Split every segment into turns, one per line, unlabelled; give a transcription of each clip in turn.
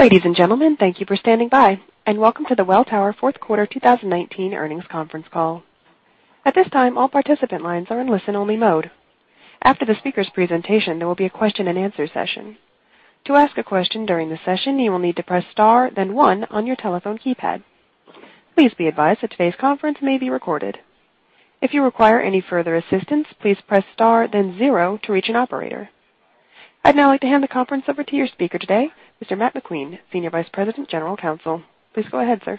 Ladies and gentlemen, thank you for standing by, and welcome to the Welltower Fourth Quarter 2019 Earnings Conference Call. At this time, all participant lines are in listen-only mode. After the speaker's presentation, there will be a question and answer session. To ask a question during the session, you will need to press star then one on your telephone keypad. Please be advised that today's conference may be recorded. If you require any further assistance, please press star then zero to reach an operator. I'd now like to hand the conference over to your speaker today, Mr. Matt McQueen, Senior Vice President, General Counsel. Please go ahead, sir.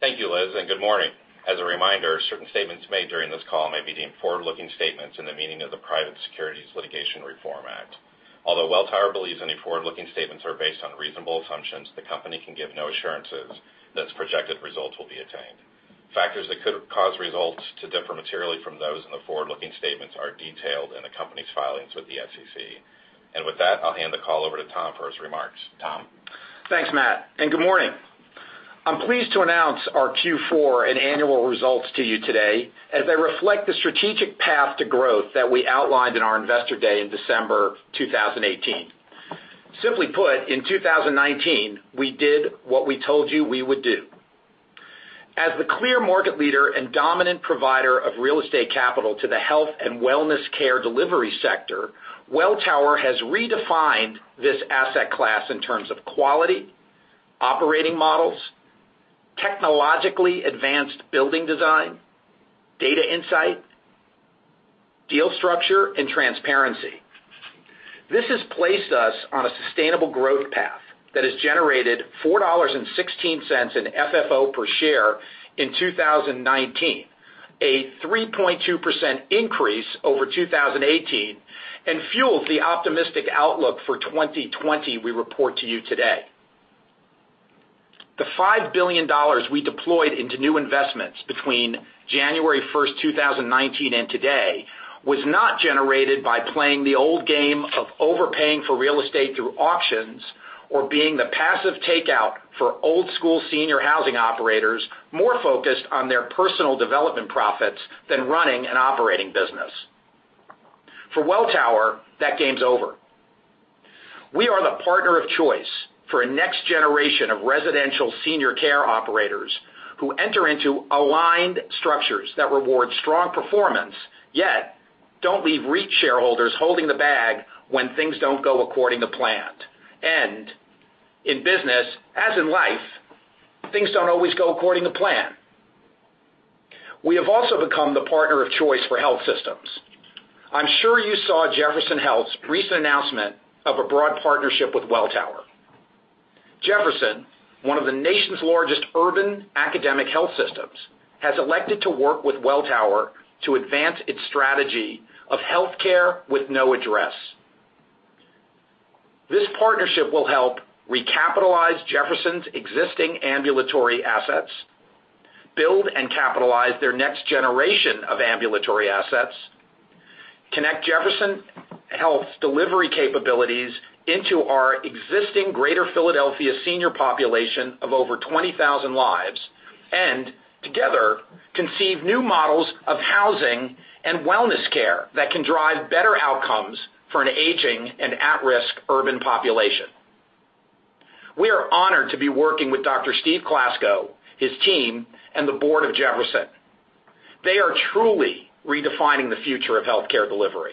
Thank you, Liz, and good morning. As a reminder, certain statements made during this call may be deemed forward-looking statements in the meaning of the Private Securities Litigation Reform Act. Although Welltower believes any forward-looking statements are based on reasonable assumptions, the company can give no assurances that its projected results will be attained. Factors that could cause results to differ materially from those in the forward-looking statements are detailed in the company's filings with the SEC. With that, I'll hand the call over to Tom for his remarks. Tom?
Thanks, Matt. Good morning. I'm pleased to announce our Q4 and annual results to you today as they reflect the strategic path to growth that we outlined in our Investor Day in December 2018. Simply put, in 2019, we did what we told you we would do. As the clear market leader and dominant provider of real estate capital to the health and wellness care delivery sector, Welltower has redefined this asset class in terms of quality, operating models, technologically advanced building design, data insight, deal structure, and transparency. This has placed us on a sustainable growth path that has generated $4.16 in FFO per share in 2019, a 3.2% increase over 2018, and fueled the optimistic outlook for 2020 we report to you today. The $5 billion we deployed into new investments between January 1st, 2019, and today was not generated by playing the old game of overpaying for real estate through auctions or being the passive takeout for old school senior housing operators more focused on their personal development profits than running an operating business. For Welltower, that game's over. We are the partner of choice for a next generation of residential senior care operators who enter into aligned structures that reward strong performance, yet don't leave REIT shareholders holding the bag when things don't go according to plan. In business, as in life, things don't always go according to plan. We have also become the partner of choice for health systems. I'm sure you saw Jefferson Health's recent announcement of a broad partnership with Welltower. Jefferson, one of the nation's largest urban academic health systems, has elected to work with Welltower to advance its strategy of healthcare with no address. This partnership will help recapitalize Jefferson's existing ambulatory assets, build and capitalize their next generation of ambulatory assets, connect Jefferson Health's delivery capabilities into our existing Greater Philadelphia senior population of over 20,000 lives, and together conceive new models of housing and wellness care that can drive better outcomes for an aging and at-risk urban population. We are honored to be working with Dr. Steve Klasko, his team, and the board of Jefferson. They are truly redefining the future of healthcare delivery.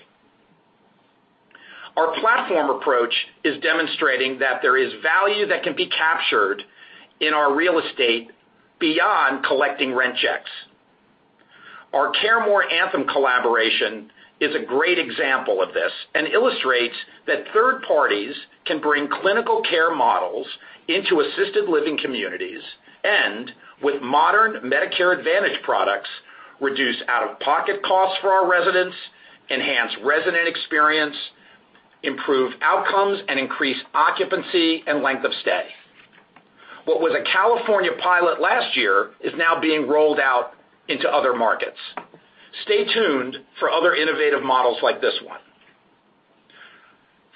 Our platform approach is demonstrating that there is value that can be captured in our real estate beyond collecting rent checks. Our CareMore Anthem collaboration is a great example of this and illustrates that third parties can bring clinical care models into assisted living communities and, with modern Medicare Advantage products, reduce out-of-pocket costs for our residents, enhance resident experience, improve outcomes, and increase occupancy and length of stay. What was a California pilot last year is now being rolled out into other markets. Stay tuned for other innovative models like this one.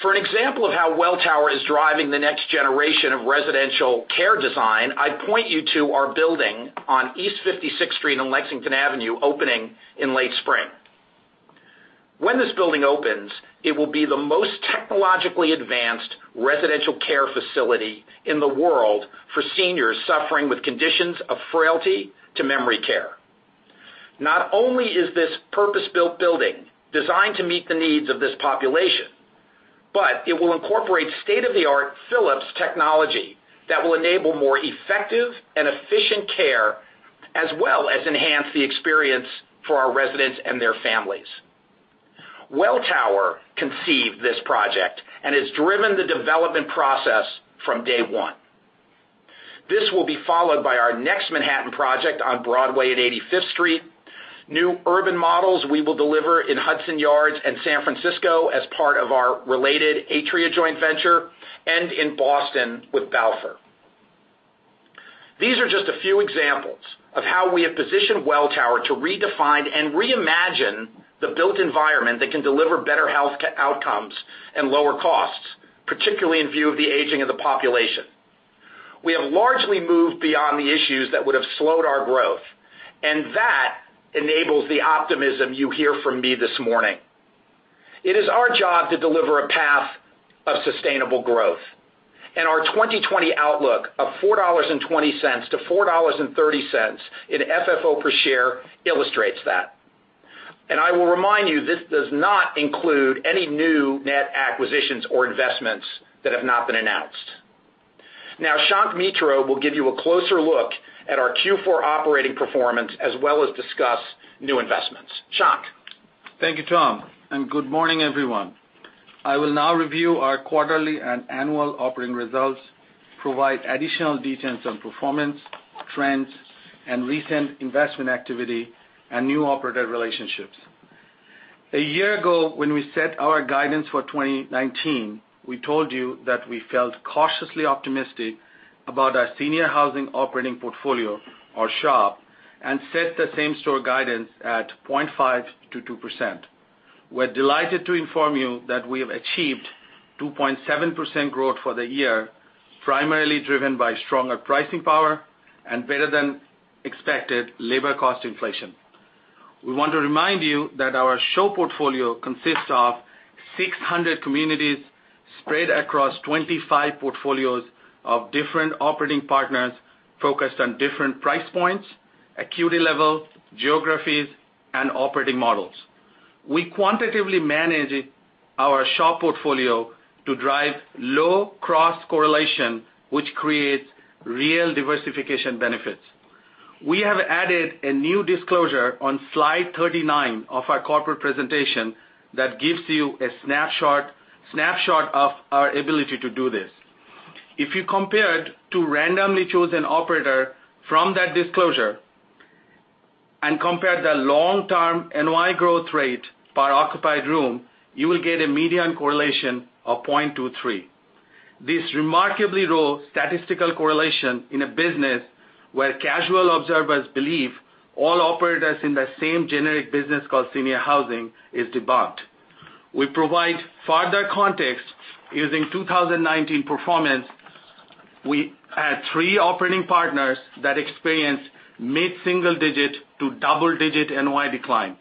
For an example of how Welltower is driving the next generation of residential care design, I'd point you to our building on East 56th Street and Lexington Avenue opening in late spring. When this building opens, it will be the most technologically advanced residential care facility in the world for seniors suffering with conditions of frailty to memory care. Not only is this purpose-built building designed to meet the needs of this population, but it will incorporate state-of-the-art Philips technology that will enable more effective and efficient care as well as enhance the experience for our residents and their families. Welltower conceived this project and has driven the development process from day one. This will be followed by our next Manhattan project on Broadway at 85th Street, new urban models we will deliver in Hudson Yards and San Francisco as part of our Related Atria joint venture, and in Boston with Balfour. These are just a few examples of how we have positioned Welltower to redefine and reimagine the built environment that can deliver better health outcomes and lower costs, particularly in view of the aging of the population. We have largely moved beyond the issues that would have slowed our growth, and that enables the optimism you hear from me this morning. It is our job to deliver a path of sustainable growth, and our 2020 outlook of $4.20-$4.30 in FFO per share illustrates that. I will remind you this does not include any new net acquisitions or investments that have not been announced. Now, Shankh Mitra will give you a closer look at our Q4 operating performance, as well as discuss new investments. Shankh?
Thank you, Tom, and good morning, everyone. I will now review our quarterly and annual operating results, provide additional details on performance, trends, and recent investment activity and new operator relationships. A year ago, when we set our guidance for 2019, we told you that we felt cautiously optimistic about our senior housing operating portfolio, or SHOP, and set the same store guidance at 0.5%-2%. We are delighted to inform you that we have achieved 2.7% growth for the year, primarily driven by stronger pricing power and better than expected labor cost inflation. We want to remind you that our SHOP portfolio consists of 600 communities spread across 25 portfolios of different operating partners focused on different price points, acuity level, geographies, and operating models. We quantitatively manage our SHOP portfolio to drive low cross-correlation, which creates real diversification benefits. We have added a new disclosure on slide 39 of our corporate presentation that gives you a snapshot of our ability to do this. If you compared to randomly chosen operator from that disclosure and compared the long-term NOI growth rate per occupied room, you will get a median correlation of 0.23. This remarkably low statistical correlation in a business where casual observers believe all operators in the same generic business called senior housing is debunked. We provide further context using 2019 performance. We had three operating partners that experienced mid-single digit to double-digit NOI decline,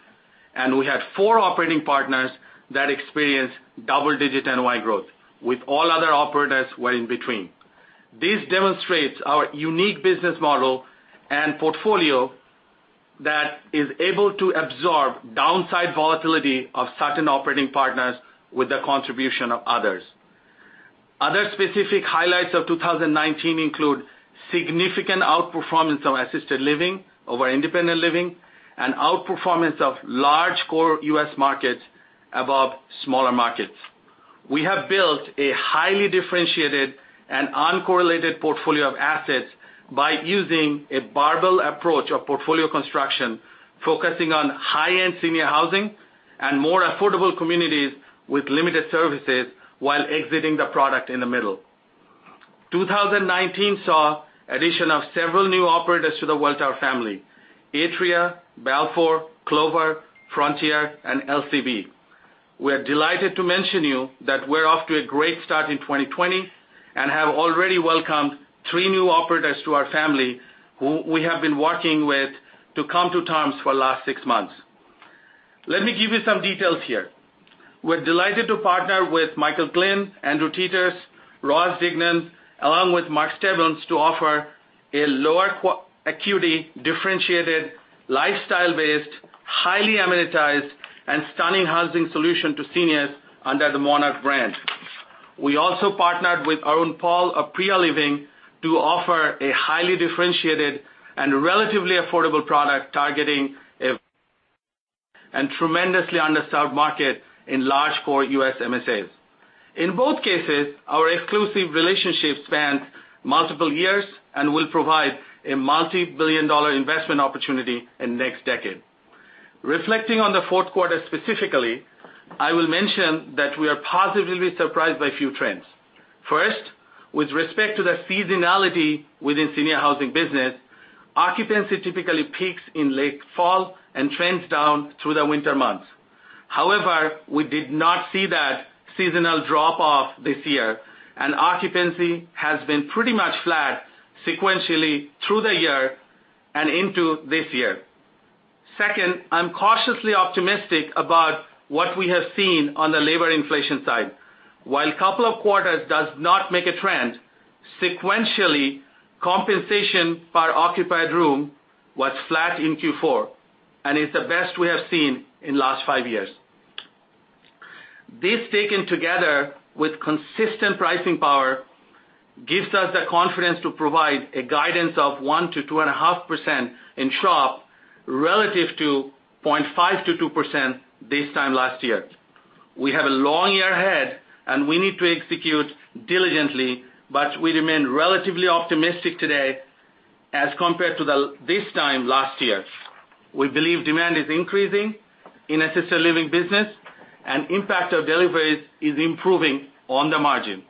and we had four operating partners that experienced double-digit NOI growth. With all other operators were in between. This demonstrates our unique business model and portfolio that is able to absorb downside volatility of certain operating partners with the contribution of others. Other specific highlights of 2019 include significant outperformance of assisted living over independent living and outperformance of large core U.S. markets above smaller markets. We have built a highly differentiated and uncorrelated portfolio of assets by using a barbell approach of portfolio construction, focusing on high-end senior housing and more affordable communities with limited services while exiting the product in the middle. 2019 saw addition of several new operators to the Welltower family, Atria, Balfour, Clover, Frontier and LCB. We are delighted to mention you that we're off to a great start in 2020 and have already welcomed three new operators to our family who we have been working with to come to terms for the last six months. Let me give you some details here. We're delighted to partner with Michael Glynn, Andrew Teeters, Ross Dingman, along with Mark Stebbins to offer a lower acuity, differentiated, lifestyle-based, highly amenitized and stunning housing solution to seniors under the Monarch brand. We also partnered with Arun Paul of Priya Living to offer a highly differentiated and relatively affordable product targeting a tremendously underserved market in large core U.S. MSAs. In both cases, our exclusive relationship spans multiple years and will provide a multi-billion dollar investment opportunity in the next decade. Reflecting on the fourth quarter specifically, I will mention that we are positively surprised by a few trends. With respect to the seasonality within senior housing business, occupancy typically peaks in late fall and trends down through the winter months. We did not see that seasonal drop-off this year, and occupancy has been pretty much flat sequentially through the year and into this year. Second, I'm cautiously optimistic about what we have seen on the labor inflation side. While couple of quarters does not make a trend, sequentially, compensation per occupied room was flat in Q4, and it's the best we have seen in last five years. This, taken together with consistent pricing power, gives us the confidence to provide a guidance of 1%-2.5% in SHOP relative to 0.5%-2% this time last year. We have a long year ahead. We need to execute diligently. We remain relatively optimistic today as compared to this time last year. We believe demand is increasing in assisted living business and impact of deliveries is improving on the margin.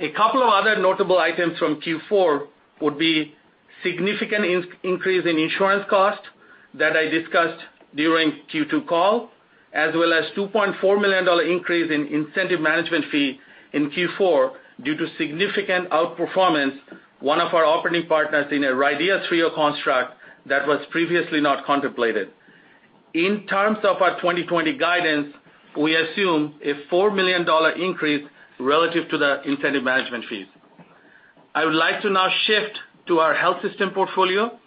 A couple of other notable items from Q4 would be, significant increase in insurance costs that I discussed during Q2 call, as well as $2.4 million increase in incentive management fee in Q4 due to significant outperformance, one of our operating partners in a RIDEA 3.0 Construct that was previously not contemplated. In terms of our 2020 guidance, we assume a $4 million increase relative to the incentive management fees. I would like to now shift to our health system portfolio.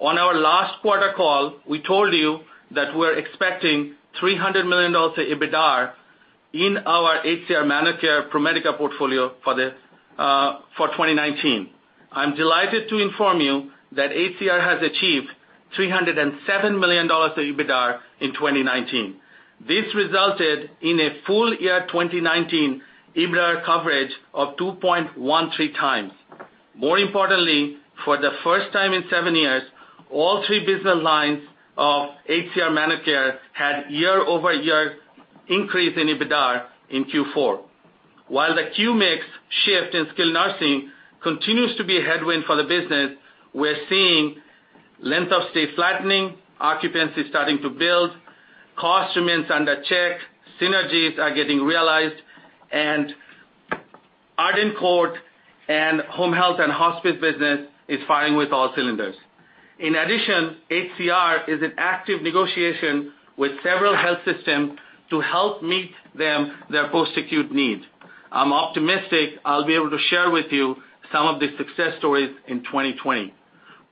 On our last quarter call, we told you that we're expecting $300 million of EBITDAR in our HCR ManorCare ProMedica portfolio for 2019. I'm delighted to inform you that HCR has achieved $307 million of EBITDAR in 2019. This resulted in a full year 2019 EBITDAR coverage of 2.13x. More importantly, for the first time in seven years, all three business lines of HCR ManorCare had year-over-year increase in EBITDAR in Q4. While the Q-mix shift in skilled nursing continues to be a headwind for the business, we're seeing length of stay flattening, occupancy starting to build, cost remains under check, synergies are getting realized, and Arden Courts and home health and hospice business is firing with all cylinders. In addition, HCR is in active negotiation with several health systems to help meet their post-acute needs. I'm optimistic I'll be able to share with you some of the success stories in 2020.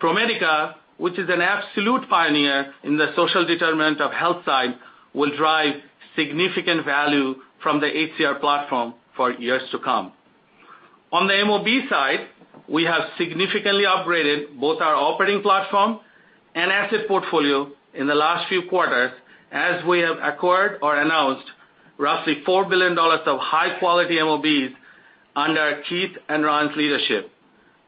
ProMedica, which is an absolute pioneer in the social determinant of health side, will drive significant value from the HCR platform for years to come. On the MOB side, we have significantly upgraded both our operating platform and asset portfolio in the last few quarters, as we have acquired or announced roughly $4 billion of high-quality MOBs under Keith and Ron's leadership.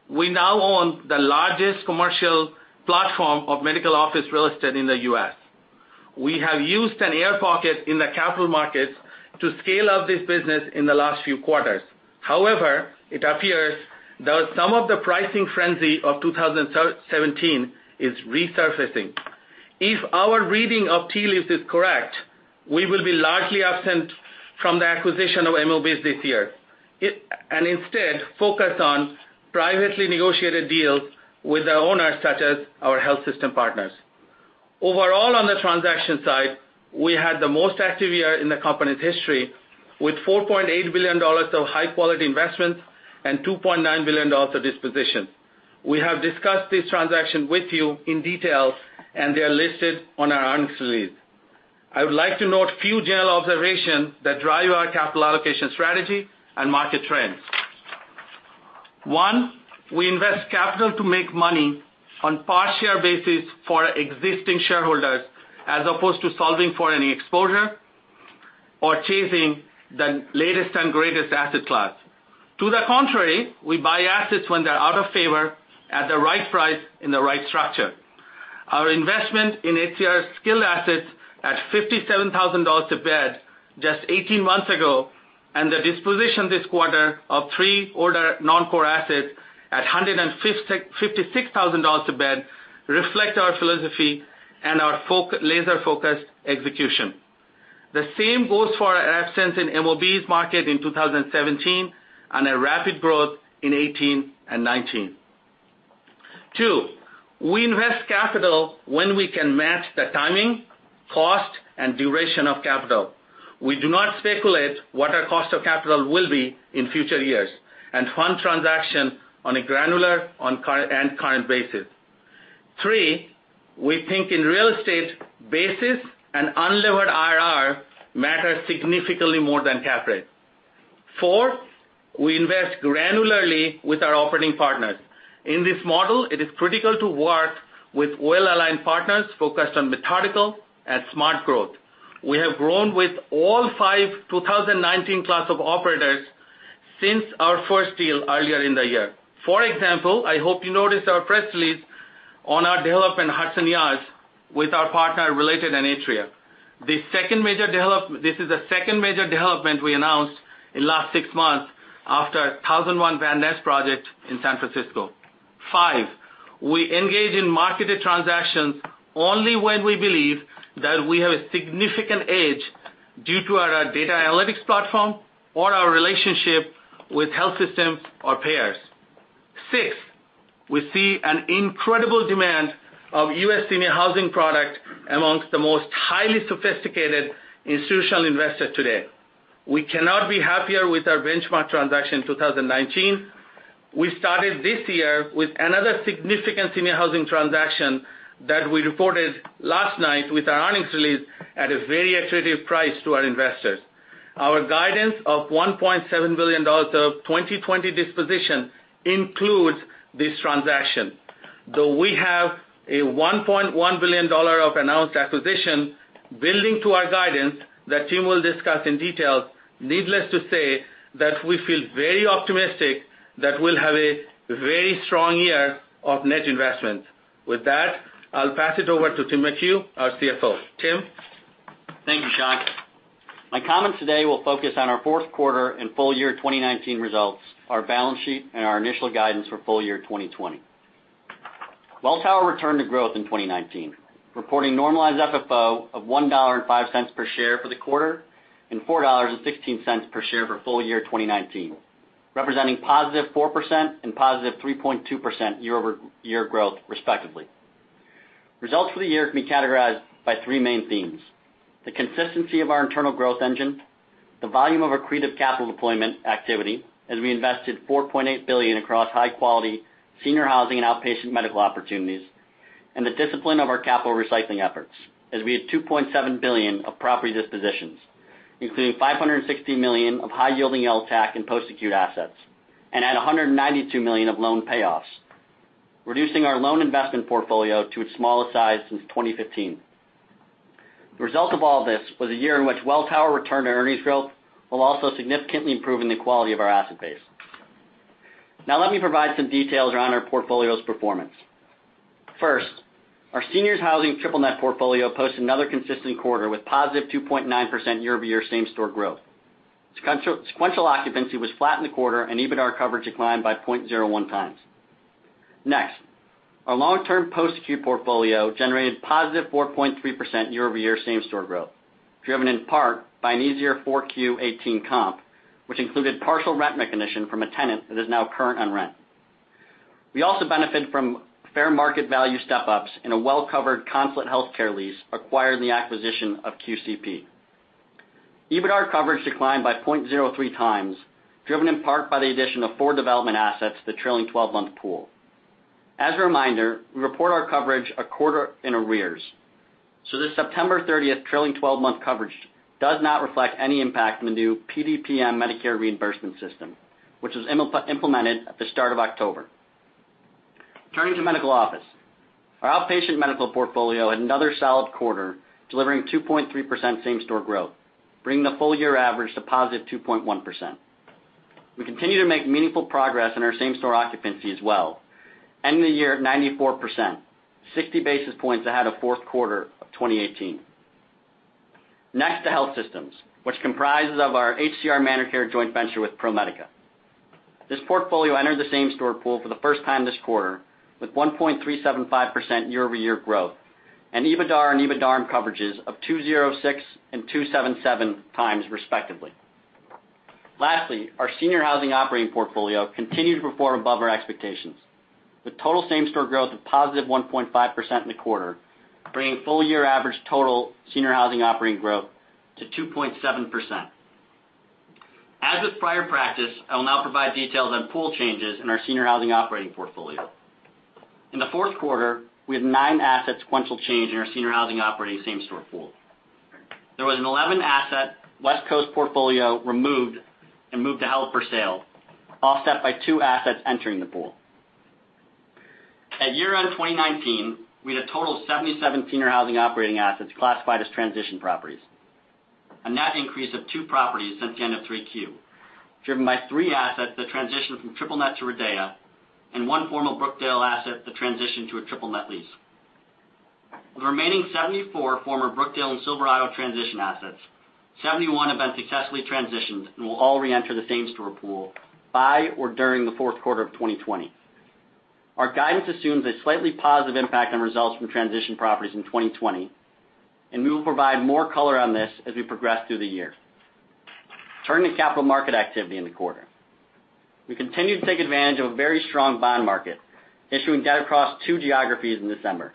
We now own the largest commercial platform of medical office real estate in the U.S. We have used an air pocket in the capital markets to scale up this business in the last few quarters. It appears that some of the pricing frenzy of 2017 is resurfacing. If our reading of tea leaves is correct, we will be largely absent from the acquisition of MOBs this year, and instead focus on privately negotiated deals with the owners such as our health system partners. Overall, on the transaction side, we had the most active year in the company's history with $4.8 billion of high-quality investments and $2.9 billion of dispositions. We have discussed this transaction with you in detail, and they are listed on our earnings release. I would like to note a few general observations that drive our capital allocation strategy and market trends. One, we invest capital to make money on per share basis for existing shareholders as opposed to solving for any exposure or chasing the latest and greatest asset class. To the contrary, we buy assets when they're out of favor at the right price in the right structure. Our investment in HCR skilled assets at $57,000 a bed just 18 months ago, and the disposition this quarter of three older non-core assets at $156,000 a bed reflect our philosophy and our laser-focused execution. The same goes for our absence in MOB's market in 2017 and a rapid growth in 2018 and 2019. Two, we invest capital when we can match the timing, cost, and duration of capital. We do not speculate what our cost of capital will be in future years and fund transaction on a granular and current basis. Three, we think in real estate, basis and unlevered IRR matter significantly more than cap rate. Four, we invest granularly with our operating partners. In this model, it is critical to work with well-aligned partners focused on methodical and smart growth. We have grown with all five 2019 class of operators since our first deal earlier in the year. For example, I hope you noticed our press release on our development Hudson Yards with our partner Related and Atria. This is the second major development we announced in last six months after 1001 Van Ness project in San Francisco. Five, we engage in marketed transactions only when we believe that we have a significant edge due to our data analytics platform or our relationship with health systems or payers. Six, we see an incredible demand of U.S. senior housing product amongst the most highly sophisticated institutional investors today. We cannot be happier with our benchmark transaction 2019. We started this year with another significant senior housing transaction that we reported last night with our earnings release at a very accretive price to our investors. Our guidance of $1.7 billion of 2020 disposition includes this transaction. We have a $1.1 billion of announced acquisition building to our guidance that Tim McHugh will discuss in detail, needless to say, that we feel very optimistic that we'll have a very strong year of net investment. With that, I'll pass it over to Tim McHugh, our CFO. Tim?
My comments today will focus on our fourth quarter and full year 2019 results, our balance sheet, and our initial guidance for full year 2020. Welltower returned to growth in 2019, reporting normalized FFO of $1.05 per share for the quarter, and $4.16 per share for full year 2019, representing positive 4% and positive 3.2% year-over-year growth respectively. Results for the year can be categorized by three main themes, the consistency of our internal growth engine, the volume of accretive capital deployment activity, as we invested $4.8 billion across high-quality senior housing and outpatient medical opportunities, and the discipline of our capital recycling efforts as we had $2.7 billion of property dispositions, including $560 million of high yielding LTAC and post-acute assets, and had $192 million of loan payoffs, reducing our loan investment portfolio to its smallest size since 2015. The result of all this was a year in which Welltower returned to earnings growth, while also significantly improving the quality of our asset base. Let me provide some details around our portfolio's performance. First, our seniors housing triple net portfolio posts another consistent quarter with positive 2.9% year-over-year same-store growth. Sequential occupancy was flat in the quarter and EBITDAR coverage declined by 0.01x. Next, our long-term post-acute portfolio generated positive 4.3% year-over-year same-store growth, driven in part by an easier 4Q 2018 comp, which included partial rent recognition from a tenant that is now current on rent. We also benefit from fair market value step-ups in a well-covered Consulate Health Care lease acquired in the acquisition of QCP. EBITDAR coverage declined by 0.03x, driven in part by the addition of four development assets to the trailing 12-month pool. As a reminder, we report our coverage a quarter in arrears, so this September 30th trailing 12-month coverage does not reflect any impact from the new PDPM Medicare reimbursement system, which was implemented at the start of October. Turning to medical office. Our outpatient medical portfolio had another solid quarter, delivering 2.3% same-store growth, bringing the full year average to positive 2.1%. We continue to make meaningful progress in our same-store occupancy as well, ending the year at 94%, 60 basis points ahead of fourth quarter of 2018. Next, to health systems, which comprises of our HCR ManorCare joint venture with ProMedica. This portfolio entered the same-store pool for the first time this quarter with 1.375% year-over-year growth and EBITDAR and EBITDARM coverages of 2.06x and 2.77x respectively. Lastly, our Senior Housing Operating Portfolio continued to perform above our expectations, with total same-store growth of positive 1.5% in the quarter, bringing full-year average total Senior Housing Operating growth to 2.7%. As with prior practice, I will now provide details on pool changes in our Senior Housing Operating Portfolio. In the fourth quarter, we had nine asset sequential change in our Senior Housing Operating same-store pool. There was an 11-asset West Coast portfolio removed and moved to held for sale, offset by two assets entering the pool. At year-end 2019, we had a total of 77 Senior Housing Operating assets classified as transition properties, a net increase of two properties since the end of 3Q, driven by three assets that transitioned from triple net to RIDEA and one former Brookdale asset that transitioned to a triple net lease. Of the remaining 74 former Brookdale and Silverado transition assets, 71 have been successfully transitioned and will all re-enter the same store pool by or during the fourth quarter of 2020. Our guidance assumes a slightly positive impact on results from transition properties in 2020, we will provide more color on this as we progress through the year. Turning to capital market activity in the quarter. We continued to take advantage of a very strong bond market, issuing debt across two geographies in December.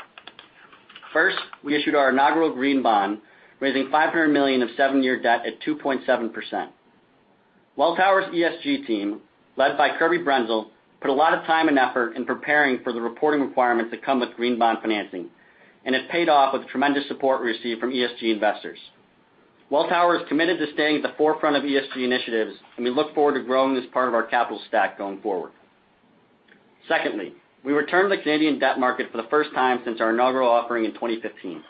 We issued our inaugural green bond, raising $500 million of seven-year debt at 2.7%. Welltower's ESG team, led by Kirby Brenzel, put a lot of time and effort in preparing for the reporting requirements that come with green bond financing, and it paid off with the tremendous support we received from ESG investors. Welltower is committed to staying at the forefront of ESG initiatives, and we look forward to growing this part of our capital stack going forward. We returned to the Canadian debt market for the first time since our inaugural offering in 2015,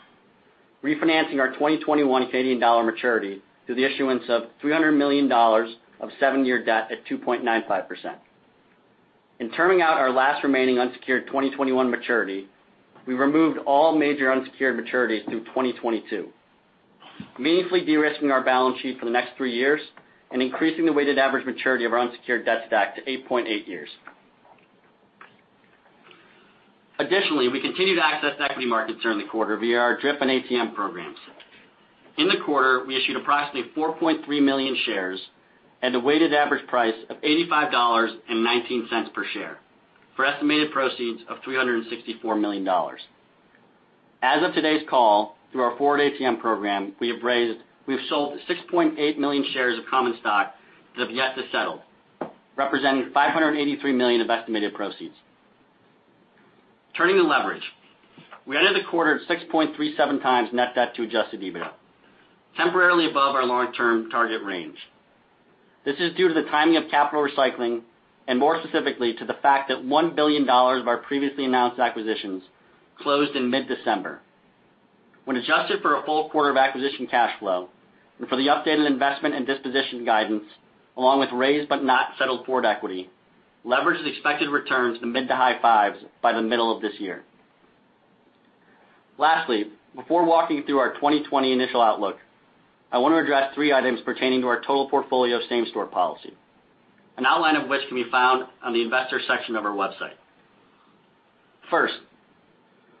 refinancing our 2021 Canadian dollar maturity through the issuance of 300 million dollars of seven-year debt at 2.95%. In terming out our last remaining unsecured 2021 maturity, we removed all major unsecured maturities through 2022, meaningfully de-risking our balance sheet for the next three years and increasing the weighted average maturity of our unsecured debt stack to 8.8 years. We continued to access equity markets during the quarter via our DRIP and ATM programs. In the quarter, we issued approximately 4.3 million shares at a weighted average price of $85.19 per share for estimated proceeds of $364 million. As of today's call, through our forward ATM program, we have sold 6.8 million shares of common stock that have yet to settle, representing $583 million of estimated proceeds. Turning to leverage. We ended the quarter at 6.37x net debt to adjusted EBITDA, temporarily above our long-term target range. This is due to the timing of capital recycling, and more specifically, to the fact that $1 billion of our previously announced acquisitions closed in mid-December. When adjusted for a full quarter of acquisition cash flow and for the updated investment and disposition guidance, along with raised but not settled forward equity, leverage is expected to return to the mid to high fives by the middle of this year. Lastly, before walking through our 2020 initial outlook, I want to address three items pertaining to our total portfolio same-store policy, an outline of which can be found on the investor section of our website. First,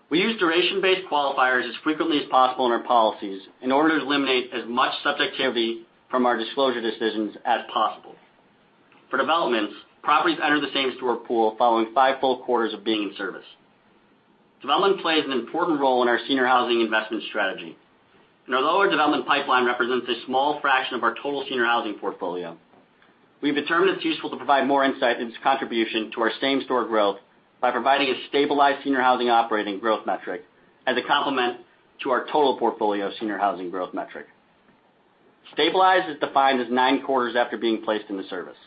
we use duration-based qualifiers as frequently as possible in our policies in order to eliminate as much subjectivity from our disclosure decisions as possible. For developments, properties enter the same-store pool following five full quarters of being in service. Development plays an important role in our senior housing investment strategy, and although our development pipeline represents a small fraction of our total senior housing portfolio, we've determined it's useful to provide more insight into its contribution to our same-store growth by providing a stabilized senior housing operating growth metric as a complement to our total portfolio senior housing growth metric. Stabilized is defined as nine quarters after being placed into service.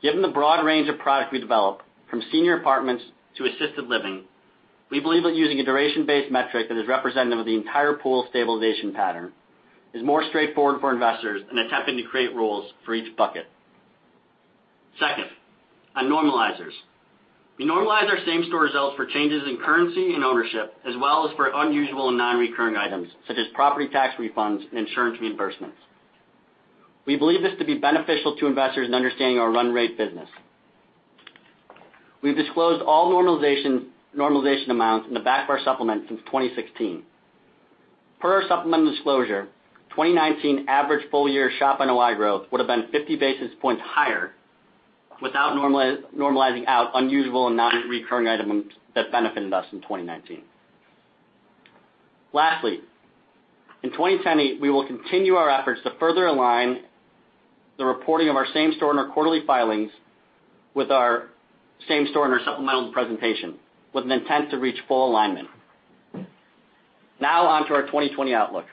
Given the broad range of product we develop, from senior apartments to assisted living, we believe that using a duration-based metric that is representative of the entire pool's stabilization pattern is more straightforward for investors than attempting to create rules for each bucket. Second, on normalizers. We normalize our same-store results for changes in currency and ownership, as well as for unusual and non-recurring items such as property tax refunds and insurance reimbursements. We believe this to be beneficial to investors in understanding our run-rate business. We've disclosed all normalization amounts in the back of our supplement since 2016. Per our supplement disclosure, 2019 average full-year SHOP NOI growth would've been 50 basis points higher without normalizing out unusual and non-recurring items that benefited us in 2019. Lastly, in 2020, we will continue our efforts to further align the reporting of our same store in our quarterly filings with our same store in our supplemental presentation with an intent to reach full alignment. On to our 2020 outlook.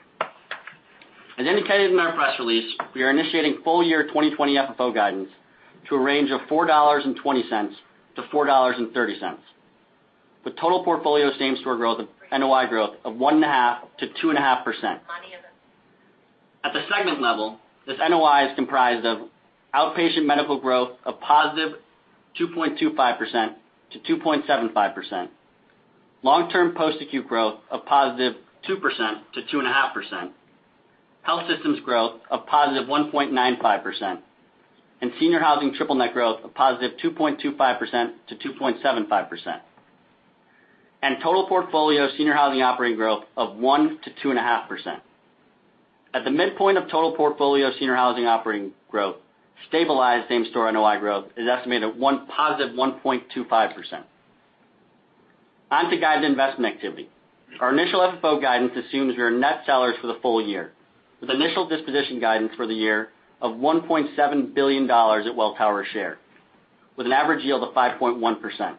As indicated in our press release, we are initiating full-year 2020 FFO guidance to a range of $4.20-$4.30, with total portfolio same-store growth of NOI growth of 1.5%-2.5%. At the segment level, this NOI is comprised of outpatient medical growth of positive 2.25%-2.75%, long-term post-acute growth of positive 2%-2.5%, health systems growth of positive 1.95%, senior housing triple net growth of positive 2.25%-2.75%, and total portfolio senior housing operating growth of 1%-2.5%. At the midpoint of total portfolio senior housing operating growth, stabilized same-store NOI growth is estimated at positive 1.25%. On to guided investment activity. Our initial FFO guidance assumes we are net sellers for the full year, with initial disposition guidance for the year of $1.7 billion at Welltower shares, with an average yield of 5.1%.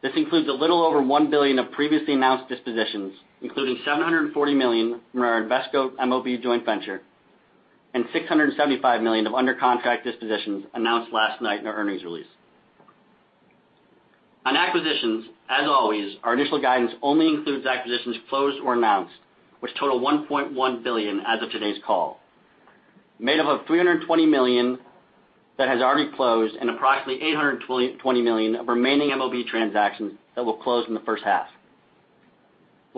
This includes a little over $1 billion of previously announced dispositions, including $740 million from our Invesco MOB joint venture and $675 million of under contract dispositions announced last night in our earnings release. On acquisitions, as always, our initial guidance only includes acquisitions closed or announced, which total $1.1 billion as of today's call, made up of $320 million that has already closed and approximately $820 million of remaining MOB transactions that will close in the first half.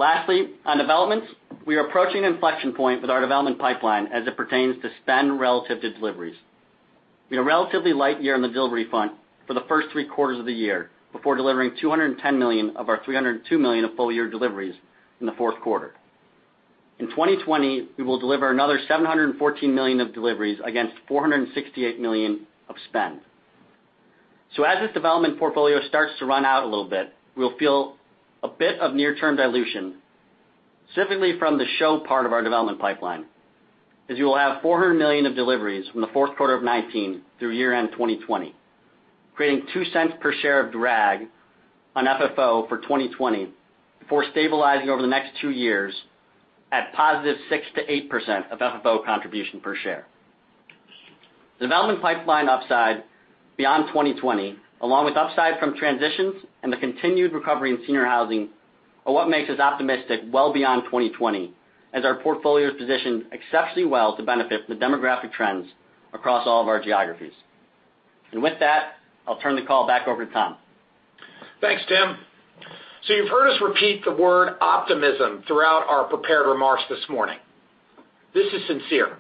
On developments, we are approaching an inflection point with our development pipeline as it pertains to spend relative to deliveries. We had a relatively light year on the delivery front for the first three quarters of the year before delivering $210 million of our $302 million of full-year deliveries in the fourth quarter. In 2020, we will deliver another $714 million of deliveries against $468 million of spend. As this development portfolio starts to run out a little bit, we'll feel a bit of near-term dilution, specifically from the SHOP part of our development pipeline, as you will have $400 million of deliveries from the fourth quarter of 2019 through year-end 2020, creating $0.02 per share of drag on FFO for 2020 before stabilizing over the next two years at positive 6%-8% of FFO contribution per share. Development pipeline upside beyond 2020, along with upside from transitions and the continued recovery in senior housing, are what makes us optimistic well beyond 2020, as our portfolio is positioned exceptionally well to benefit from the demographic trends across all of our geographies. With that, I'll turn the call back over to Tom.
Thanks, Tim. You've heard us repeat the word optimism throughout our prepared remarks this morning. This is sincere.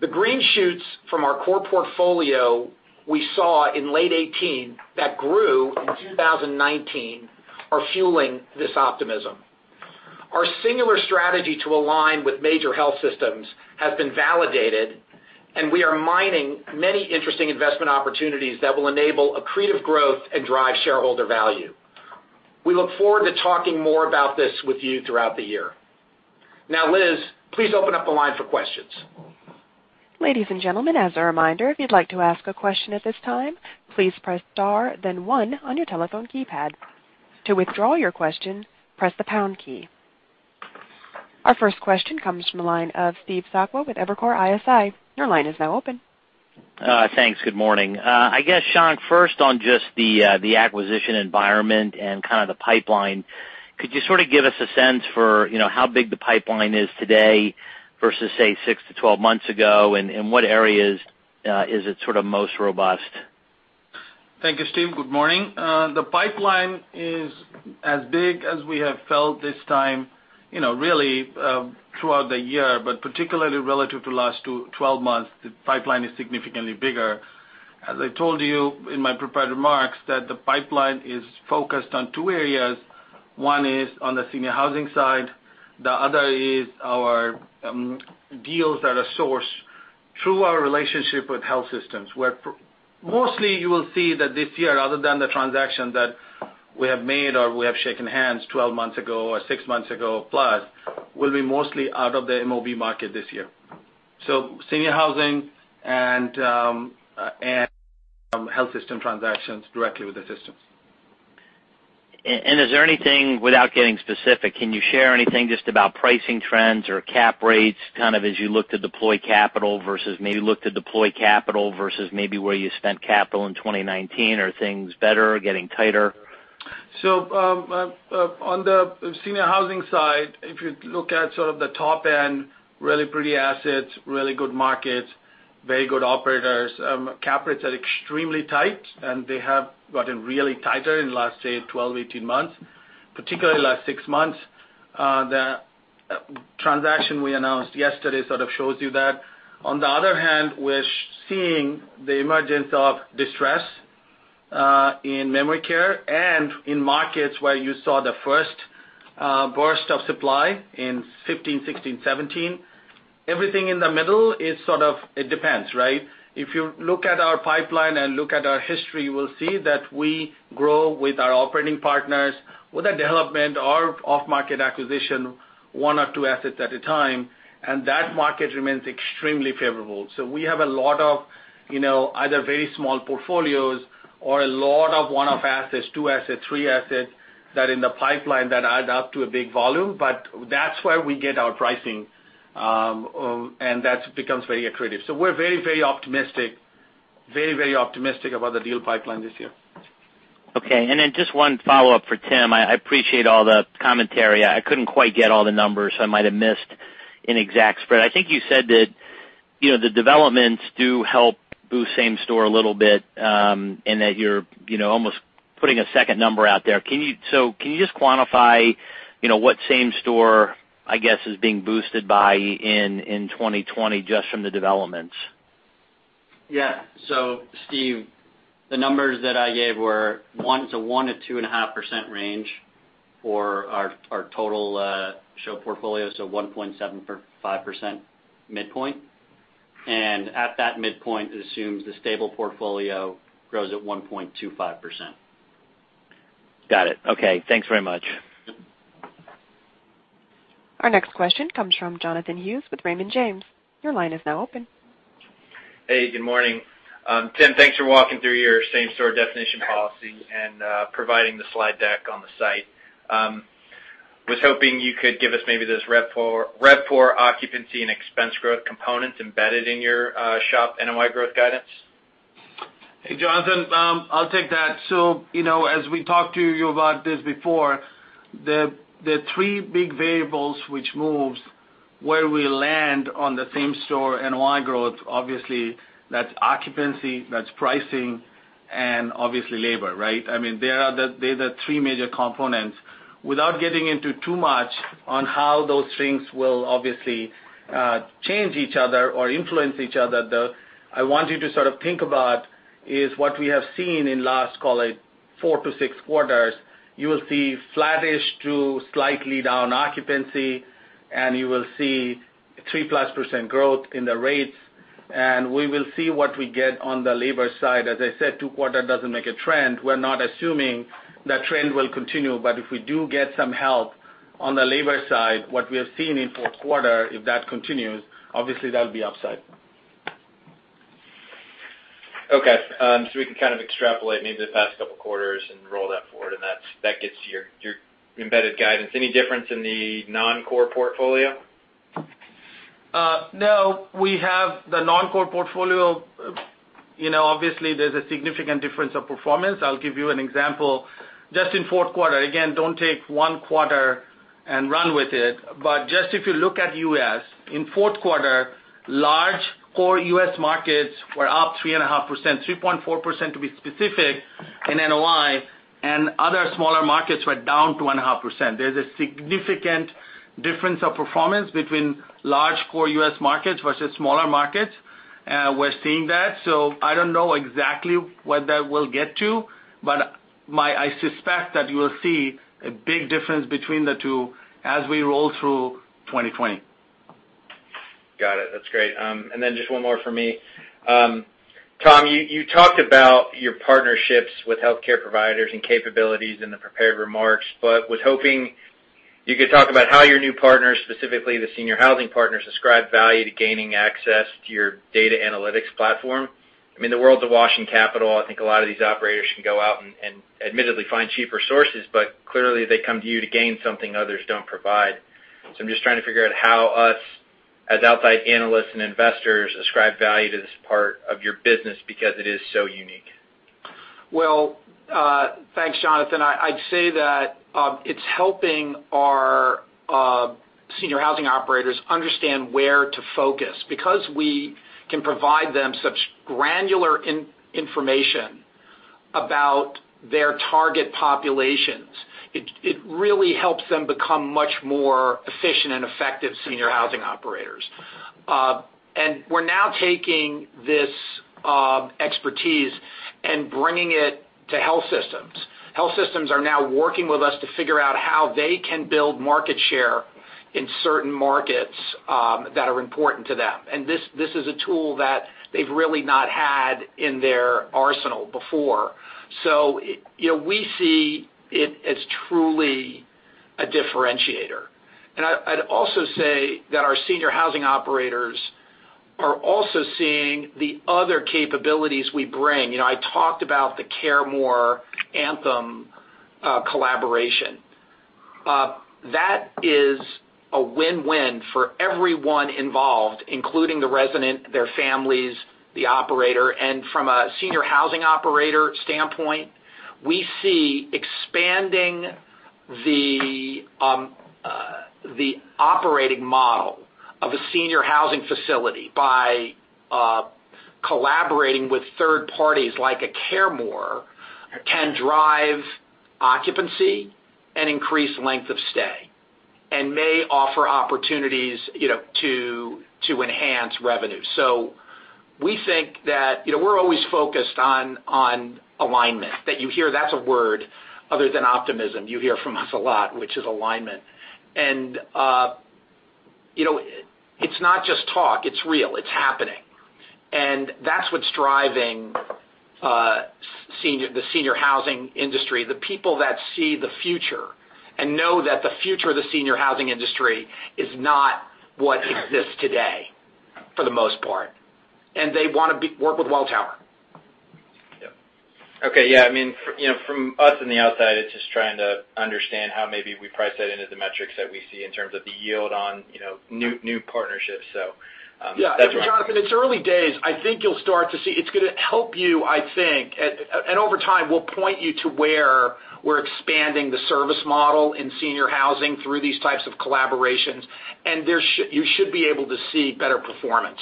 The green shoots from our core portfolio we saw in late 2018 that grew in 2019 are fueling this optimism. Our singular strategy to align with major health systems has been validated, and we are mining many interesting investment opportunities that will enable accretive growth and drive shareholder value. We look forward to talking more about this with you throughout the year. Liz, please open up the line for questions.
Ladies and gentlemen, as a reminder, if you'd like to ask a question at this time, please press star then one on your telephone keypad. To withdraw your question, press the pound key. Our first question comes from the line of Steve Sakwa with Evercore ISI. Your line is now open.
Thanks. Good morning. I guess, Shankh, first on just the acquisition environment and kind of the pipeline, could you sort of give us a sense for how big the pipeline is today versus, say, 6-12 months ago, and what areas is it sort of most robust?
Thank you, Steve. Good morning. The pipeline is as big as we have felt this time, really throughout the year, but particularly relative to last 12 months, the pipeline is significantly bigger. As I told you in my prepared remarks, that the pipeline is focused on two areas. One is on the senior housing side, the other is our deals that are sourced through our relationship with health systems, where mostly you will see that this year, other than the transaction that we have made or we have shaken hands 12 months ago or six months ago plus, will be mostly out of the MOB market this year. Senior housing and health system transactions directly with the systems.
Is there anything, without getting specific, can you share anything just about pricing trends or cap rates, kind of as you look to deploy capital versus maybe where you spent capital in 2019? Are things better or getting tighter?
On the senior housing side, if you look at sort of the top end, really pretty assets, really good markets, very good operators. Cap rates are extremely tight, and they have gotten really tighter in the last, say, 12, 18 months, particularly the last six months. The transaction we announced yesterday sort of shows you that. On the other hand, we're seeing the emergence of distress in memory care and in markets where you saw the first burst of supply in 2015, 2016, 2017. Everything in the middle is sort of, it depends, right? If you look at our pipeline and look at our history, you will see that we grow with our operating partners, with the development or off-market acquisition, one or two assets at a time, and that market remains extremely favorable. We have a lot of either very small portfolios or a lot of one-off assets, two assets, three assets, that are in the pipeline that add up to a big volume, but that's where we get our pricing, and that becomes very accretive. We're very, very optimistic about the deal pipeline this year.
Okay. Just one follow-up for Tim. I appreciate all the commentary. I couldn't quite get all the numbers. I might have missed an exact spread. I think you said that the developments do help boost same store a little bit, and that you're almost putting a second number out there. Can you just quantify what same store, I guess, is being boosted by in 2020 just from the developments?
Steve, the numbers that I gave were 1%-2.5% range for our total SHOP portfolio, 1.75% midpoint. At that midpoint, it assumes the stable portfolio grows at 1.25%.
Got it. Okay. Thanks very much.
Yep.
Our next question comes from Jonathan Hughes with Raymond James. Your line is now open.
Hey, good morning. Tim, thanks for walking through your same-store definition policy and providing the slide deck on the site. I was hoping you could give us maybe those RevPAR occupancy and expense growth components embedded in your SHOP NOI growth guidance?
Hey, Jonathan, I'll take that. As we talked to you about this before, the three big variables which moves where we land on the same store NOI growth, obviously that's occupancy, that's pricing, and obviously labor, right? They're the three major components. Without getting into too much on how those things will obviously change each other or influence each other, though, I want you to sort of think about is what we have seen in last, call it, four to six quarters. You will see flattish to slightly down occupancy, and you will see 3%+ growth in the rates. We will see what we get on the labor side. As I said, two quarter doesn't make a trend. We're not assuming the trend will continue, but if we do get some help on the labor side, what we have seen in fourth quarter, if that continues, obviously that'll be upside.
Okay. We can kind of extrapolate maybe the past couple of quarters and roll that forward, and that gets your embedded guidance. Any difference in the non-core portfolio?
No. We have the non-core portfolio. Obviously, there's a significant difference of performance. I'll give you an example. Just in fourth quarter, again, don't take one quarter and run with it, but just if you look at U.S., in fourth quarter, large core U.S. markets were up 3.5%, 3.4% to be specific, in NOI, and other smaller markets were down 2.5%. There's a significant difference of performance between large core U.S. markets versus smaller markets. We're seeing that. I don't know exactly what that will get to, but I suspect that you will see a big difference between the two as we roll through 2020.
Got it. That's great. Just one more for me. Tom, you talked about your partnerships with healthcare providers and capabilities in the prepared remarks, was hoping you could talk about how your new partners, specifically the senior housing partners, ascribe value to gaining access to your data analytics platform. I mean, the world's awash in capital. I think a lot of these operators can go out and admittedly find cheaper sources, clearly, they come to you to gain something others don't provide. I'm just trying to figure out how us, as outside analysts and investors, ascribe value to this part of your business because it is so unique.
Well, thanks, Jonathan. I'd say that it's helping our Senior housing operators understand where to focus. We can provide them such granular information about their target populations, it really helps them become much more efficient and effective senior housing operators. We're now taking this expertise and bringing it to health systems. Health systems are now working with us to figure out how they can build market share in certain markets that are important to them. This is a tool that they've really not had in their arsenal before. We see it as truly a differentiator. I'd also say that our senior housing operators are also seeing the other capabilities we bring. I talked about the CareMore Anthem collaboration. That is a win-win for everyone involved, including the resident, their families, the operator. From a senior housing operator standpoint, we see expanding the operating model of a senior housing facility by collaborating with third parties like a CareMore, can drive occupancy and increase length of stay, and may offer opportunities to enhance revenue. We're always focused on alignment. That's a word, other than optimism, you hear from us a lot, which is alignment. It's not just talk, it's real, it's happening. That's what's driving the senior housing industry, the people that see the future and know that the future of the senior housing industry is not what exists today, for the most part, and they want to work with Welltower.
Yep. Okay. Yeah, from us in the outside, it's just trying to understand how maybe we price that into the metrics that we see in terms of the yield on new partnerships, that's why.
Yeah. Jonathan, it's early days. I think you'll start to see it's going to help you, I think. Over time, we'll point you to where we're expanding the service model in senior housing through these types of collaborations. You should be able to see better performance.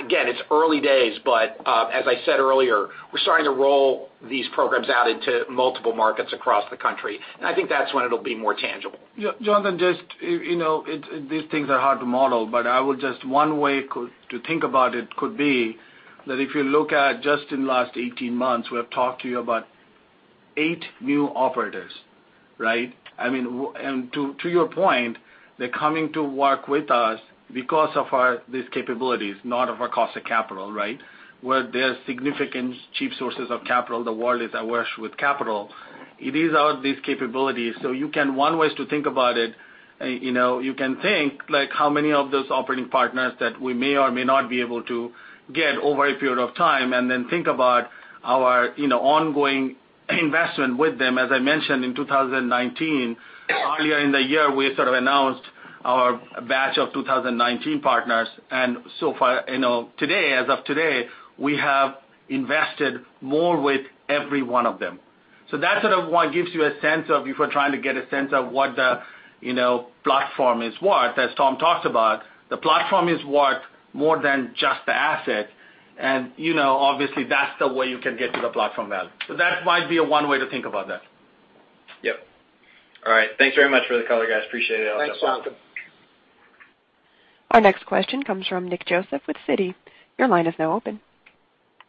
Again, it's early days, but as I said earlier, we're starting to roll these programs out into multiple markets across the country, and I think that's when it'll be more tangible.
Jonathan, these things are hard to model. Just one way to think about it could be that if you look at just in the last 18 months, we have talked to you about eight new operators, right? To your point, they're coming to work with us because of these capabilities, not of our cost of capital, right? Where there are significant cheap sources of capital, the world is awash with capital. It is all these capabilities. One way to think about it, you can think like how many of those operating partners that we may or may not be able to get over a period of time, and then think about our ongoing investment with them. As I mentioned in 2019, earlier in the year, we sort of announced our batch of 2019 partners, and as of today, we have invested more with every one of them. That's sort of what gives you a sense of, if we're trying to get a sense of what the platform is worth, as Tom talked about. The platform is worth more than just the asset, and obviously, that's the way you can get to the platform value. That might be one way to think about that.
Yep. All right. Thanks very much for the color, guys. Appreciate it.
Thanks, Jonathan.
Our next question comes from Nick Joseph with Citi. Your line is now open.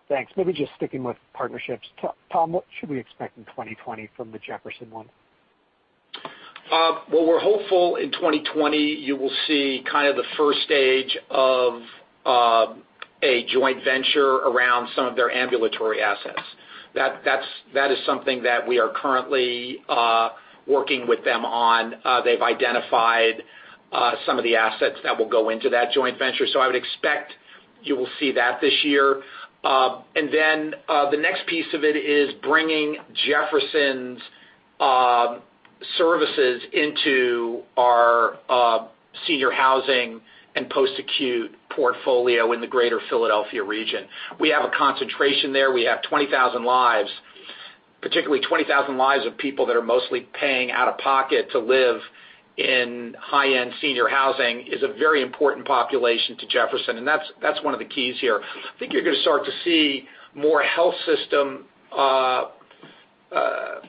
Thanks. Maybe just sticking with partnerships. Tom, what should we expect in 2020 from the Jefferson one?
Well, we're hopeful in 2020 you will see kind of the first stage of a joint venture around some of their ambulatory assets. That is something that we are currently working with them on. They've identified some of the assets that will go into that joint venture. I would expect you will see that this year. The next piece of it is bringing Jefferson's services into our senior housing and post-acute portfolio in the Greater Philadelphia region. We have a concentration there. We have 20,000 lives, particularly 20,000 lives of people that are mostly paying out of pocket to live in high-end senior housing is a very important population to Jefferson. That's one of the keys here. I think you're going to start to see more health system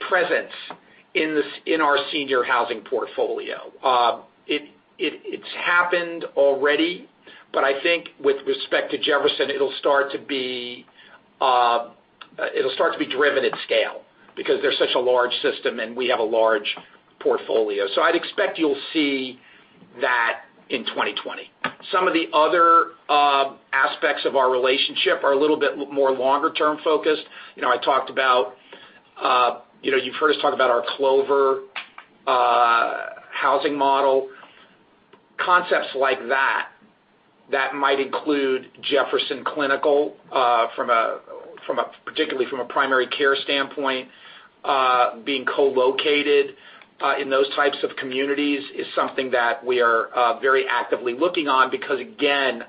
presence in our senior housing portfolio. It's happened already. I think with respect to Jefferson, it'll start to be driven at scale because they're such a large system and we have a large portfolio. I'd expect you'll see that in 2020. Some of the other aspects of our relationship are a little bit more longer term focused. You've heard us talk about our Clover housing model. Concepts like that might include Jefferson Clinical, particularly from a primary care standpoint being co-located in those types of communities is something that we are very actively looking on because, again,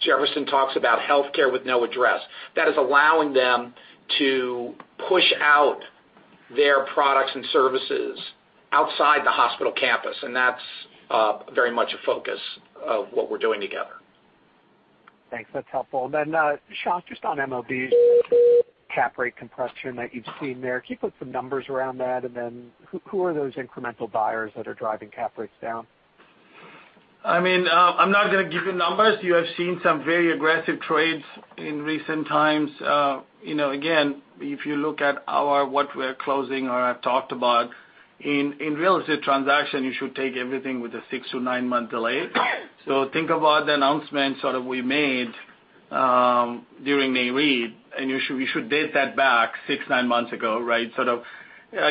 Jefferson talks about healthcare with no address. That is allowing them to push out their products and services outside the hospital campus. That's very much a focus of what we're doing together.
Thanks. That's helpful. Shankh, just on MOBs cap rate compression that you've seen there. Can you put some numbers around that? Who are those incremental buyers that are driving cap rates down?
I'm not going to give you numbers. You have seen some very aggressive trades in recent times. If you look at what we're closing, or I've talked about, in real estate transaction, you should take everything with a six to nine-month delay. Think about the announcement sort of we made during NAREIT, and you should date that back six, nine months ago, right?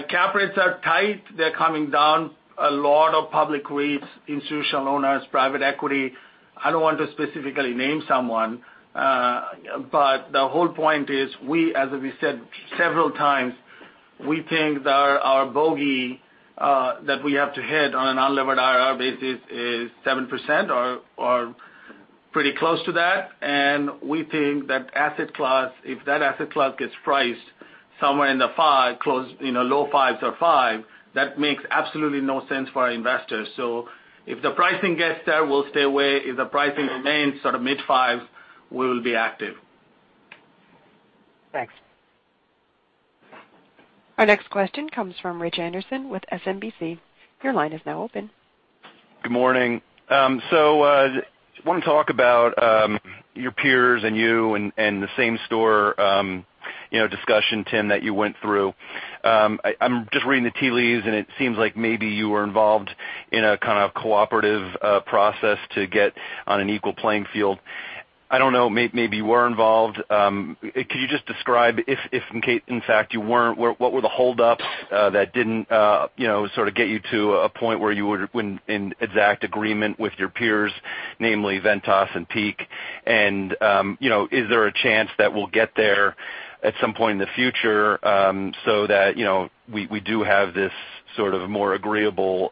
Cap rates are tight. They're coming down. A lot of public REITs, institutional owners, private equity. I don't want to specifically name someone, but the whole point is, as we said several times, we think that our bogey that we have to hit on an unlevered IRR basis is 7% or pretty close to that. We think that if that asset class gets priced somewhere in the low fives or five, that makes absolutely no sense for our investors. If the pricing gets there, we'll stay away. If the pricing remains sort of mid fives, we'll be active.
Thanks.
Our next question comes from Rich Anderson with SMBC. Your line is now open.
Good morning. Want to talk about your peers and you and the same store discussion, Tim, that you went through. I'm just reading the tea leaves, and it seems like maybe you were involved in a kind of cooperative process to get on an equal playing field. I don't know, maybe you were involved. Could you just describe if in fact you weren't, what were the holdups that didn't sort of get you to a point where you would in exact agreement with your peers, namely Ventas and Peak? Is there a chance that we'll get there at some point in the future so that we do have this sort of more agreeable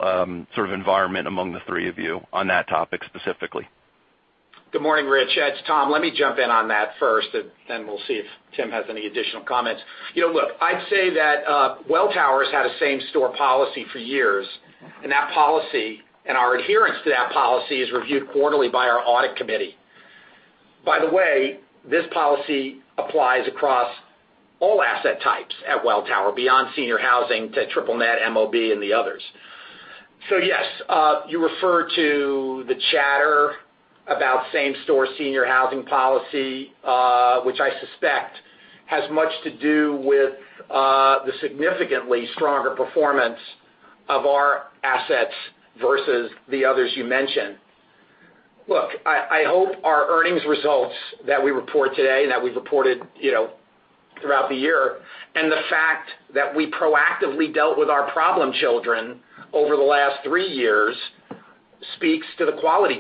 sort of environment among the three of you on that topic specifically?
Good morning, Rich. It's Tom. Let me jump in on that first, and then we'll see if Tim has any additional comments. Look, I'd say that Welltower's had a same store policy for years, and that policy and our adherence to that policy is reviewed quarterly by our audit committee. By the way, this policy applies across all asset types at Welltower, beyond senior housing to triple net, MOB, and the others. Yes, you refer to the chatter about same store senior housing policy, which I suspect has much to do with the significantly stronger performance of our assets versus the others you mentioned. Look, I hope our earnings results that we report today and that we've reported throughout the year, and the fact that we proactively dealt with our problem children over the last three years speaks to the quality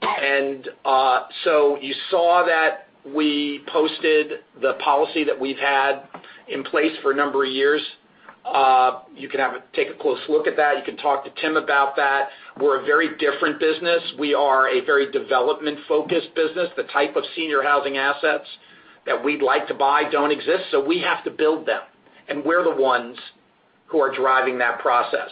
differential. You saw that we posted the policy that we've had in place for a number of years. You can take a close look at that. You can talk to Tim about that. We're a very different business. We are a very development-focused business. The type of senior housing assets that we'd like to buy don't exist, so we have to build them, and we're the ones who are driving that process.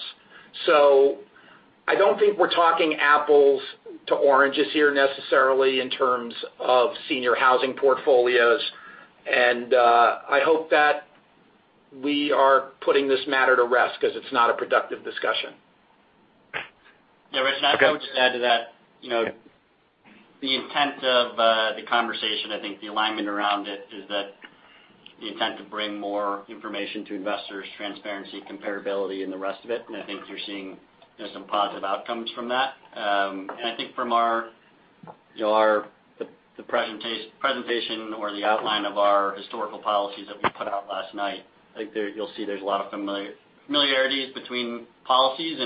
I don't think we're talking apples to oranges here necessarily in terms of senior housing portfolios. I hope that we are putting this matter to rest because it's not a productive discussion.
Yeah, Rich, I would just add to that, the intent of the conversation, I think the alignment around it is that the intent to bring more information to investors, transparency, comparability, and the rest of it. I think you're seeing some positive outcomes from that. I think from the presentation or the outline of our historical policies that we put out last night, I think you'll see there's a lot of familiarities between policies.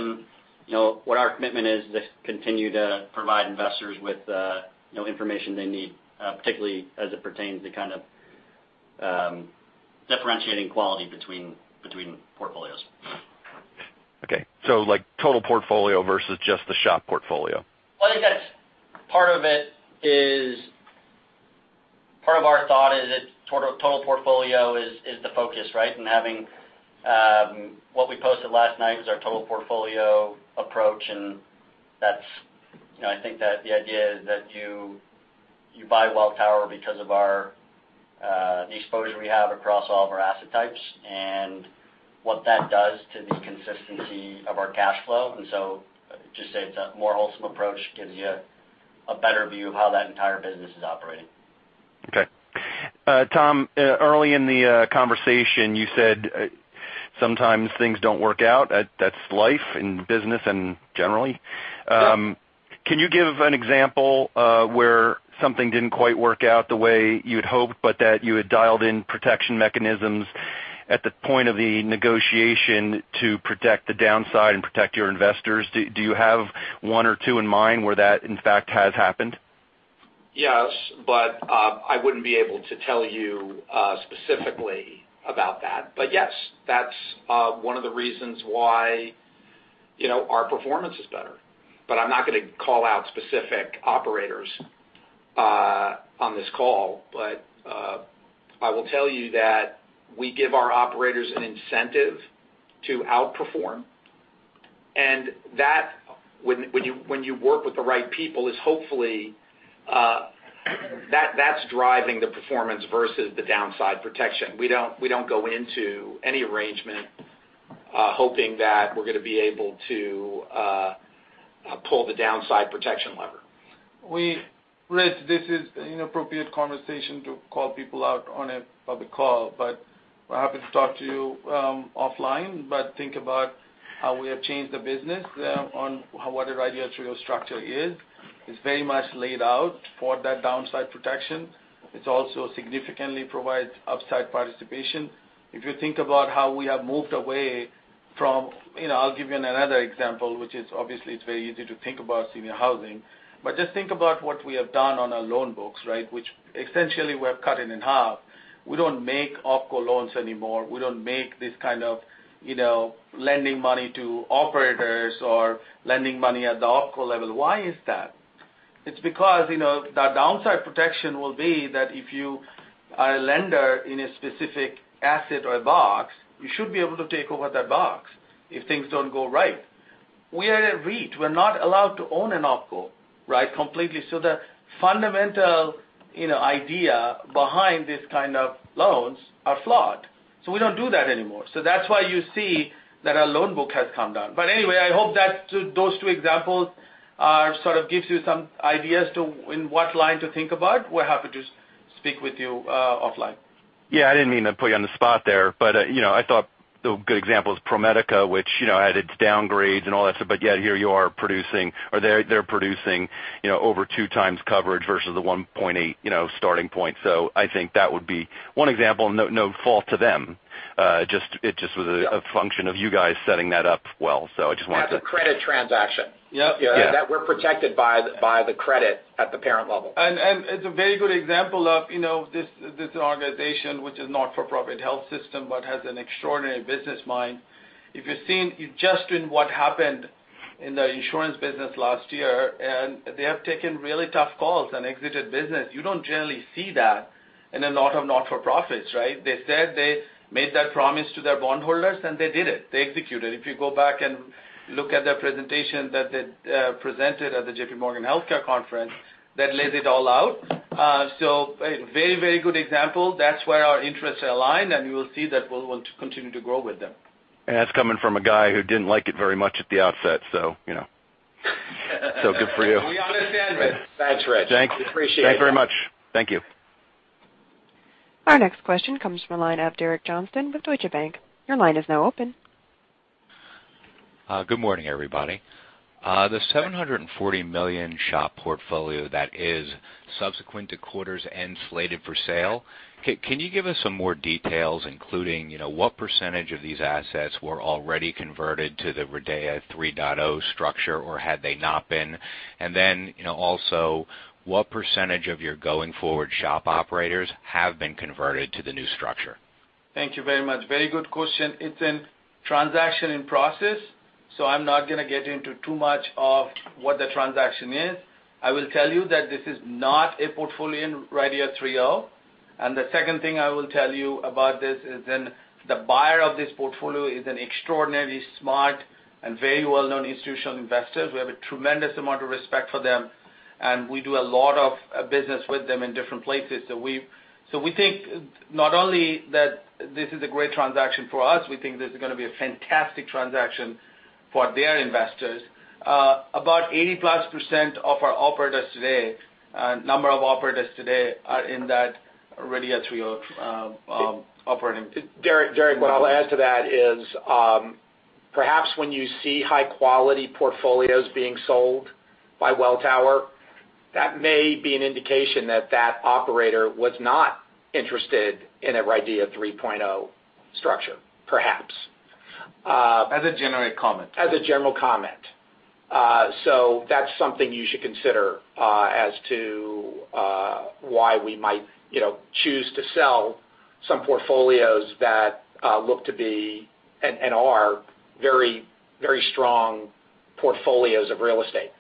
What our commitment is to continue to provide investors with information they need, particularly as it pertains to kind of differentiating quality between portfolios.
Okay. like total portfolio versus just the SHOP portfolio.
Well, I think part of our thought is that total portfolio is the focus, right? What we posted last night was our total portfolio approach, and I think that the idea is that you buy Welltower because of the exposure we have across all of our asset types and what that does to the consistency of our cash flow. Just say it's a more wholesome approach, gives you a better view of how that entire business is operating.
Okay. Tom, early in the conversation, you said sometimes things don't work out. That's life in business and generally.
Yeah.
Can you give an example where something didn't quite work out the way you'd hoped, but that you had dialed in protection mechanisms at the point of the negotiation to protect the downside and protect your investors? Do you have one or two in mind where that, in fact, has happened?
Yes, I wouldn't be able to tell you specifically about that. Yes, that's one of the reasons why our performance is better. I'm not going to call out specific operators on this call. I will tell you that we give our operators an incentive to outperform. That, when you work with the right people, is hopefully that's driving the performance versus the downside protection. We don't go into any arrangement hoping that we're going to be able to pull the downside protection lever.
Rich, this is an inappropriate conversation to call people out on a public call, but we're happy to talk to you offline. Think about how we have changed the business on what a RIDEA 3.0 structure is. It's very much laid out for that downside protection. It also significantly provides upside participation. If you think about how we have moved away from I'll give you another example, which is obviously, it's very easy to think about senior housing. Just think about what we have done on our loan books, which essentially, we have cut it in half. We don't make opco loans anymore. We don't make this kind of lending money to operators or lending money at the opco level. Why is that? It's because the downside protection will be that if you are a lender in a specific asset or a box, you should be able to take over that box if things don't go right. We are a REIT. We're not allowed to own an opco completely. The fundamental idea behind these kind of loans are flawed, so we don't do that anymore. That's why you see that our loan book has come down. Anyway, I hope that those two examples sort of gives you some ideas in what line to think about. We're happy to speak with you offline.
I didn't mean to put you on the spot there, but I thought the good example is ProMedica, which had its downgrades and all that stuff. Yet, here you are producing, or they're producing over two times coverage versus the 1.8 starting point. I think that would be one example. No fault to them. It just was a function of you guys setting that up well.
As a credit transaction.
Yeah.
We're protected by the credit at the parent level.
It's a very good example of this organization, which is not-for-profit health system, but has an extraordinary business mind. If you've just seen what happened in the insurance business last year, and they have taken really tough calls and exited business, you don't generally see that in a lot of not-for-profits, right? They said they made that promise to their bondholders, and they did it. They executed. If you go back and look at their presentation that they presented at the JP Morgan Healthcare Conference, that lays it all out. A very good example. That's where our interests align, and we will see that we'll want to continue to grow with them.
That's coming from a guy who didn't like it very much at the outset, so good for you.
We understand, Rich.
Thanks, Rich.
Thanks.
Appreciate it.
Thanks very much. Thank you.
Our next question comes from the line of Derek Johnston with Deutsche Bank. Your line is now open.
Good morning, everybody. The $740 million SHOP portfolio that is subsequent to quarters end slated for sale, can you give us some more details, including what percentage of these assets were already converted to the RIDEA 3.0 structure, or had they not been? Also, what percentage of your going-forward SHOP operators have been converted to the new structure?
Thank you very much. Very good question. It's a transaction in process. I'm not going to get into too much of what the transaction is. I will tell you that this is not a portfolio in RIDEA 3.0. The second thing I will tell you about this is then the buyer of this portfolio is an extraordinarily smart and very well-known institutional investor. We have a tremendous amount of respect for them, and we do a lot of business with them in different places. We think not only that this is a great transaction for us, we think this is going to be a fantastic transaction for their investors. About 80%+ of our operators today, number of operators today, are in that RIDEA 3.0 operating.
Derek, what I'll add to that is, perhaps when you see high-quality portfolios being sold by Welltower, that may be an indication that that operator was not interested in a RIDEA 3.0 structure, perhaps.
As a general comment.
As a general comment. That's something you should consider as to why we might choose to sell some portfolios that look to be, and are, very strong portfolios of real estate.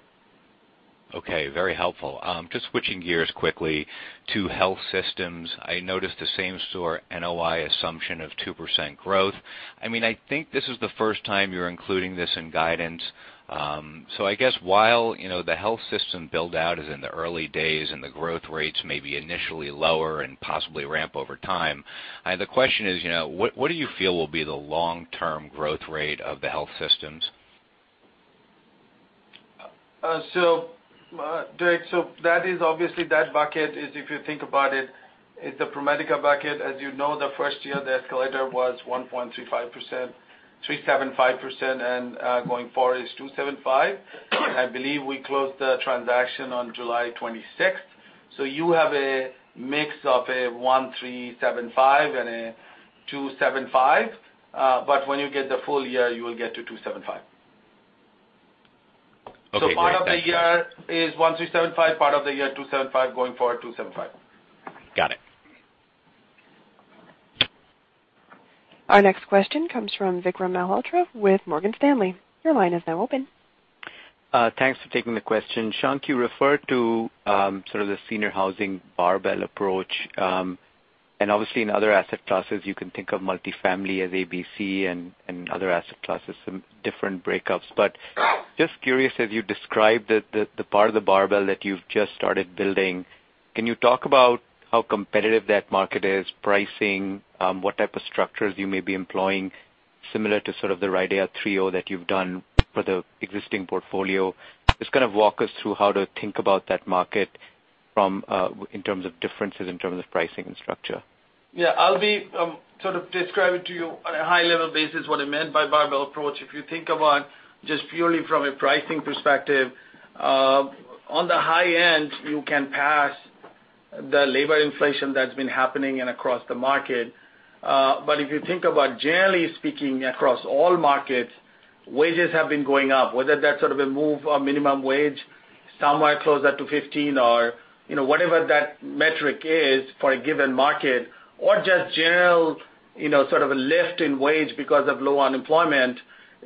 Okay. Very helpful. Just switching gears quickly to health systems. I noticed the same store NOI assumption of 2% growth. I think this is the first time you're including this in guidance. I guess while the health system build-out is in the early days and the growth rates may be initially lower and possibly ramp over time, the question is, what do you feel will be the long-term growth rate of the health systems?
Derek, so obviously, that bucket is, if you think about it, is the ProMedica bucket. As you know, the first year, the escalator was 1.375%, and going forward is 2.75%. I believe we closed the transaction on July 26th. You have a mix of a 1.375% and a 2.75%. When you get the full year, you will get to 2.75%.
Okay, great. Thanks.
Part of the year is 1.375%, part of the year, 2.75%. Going forward, 2.75%.
Got it.
Our next question comes from Vikram Malhotra with Morgan Stanley. Your line is now open.
Thanks for taking the question. Shankh, you referred to sort of the senior housing barbell approach. Obviously in other asset classes, you can think of multifamily as ABC and other asset classes, some different breakups. Just curious, as you described the part of the barbell that you've just started building, can you talk about how competitive that market is, pricing, what type of structures you may be employing similar to sort of the RIDEA 3.0 that you've done for the existing portfolio? Just kind of walk us through how to think about that market in terms of differences, in terms of pricing and structure.
Yeah, I'll be sort of describing to you on a high level basis what I meant by barbell approach. If you think about just purely from a pricing perspective, on the high end, you can pass the labor inflation that's been happening and across the market. If you think about generally speaking across all markets, wages have been going up. Whether that's sort of a move on minimum wage, somewhere closer to 15 or whatever that metric is for a given market or just general sort of a lift in wage because of low unemployment,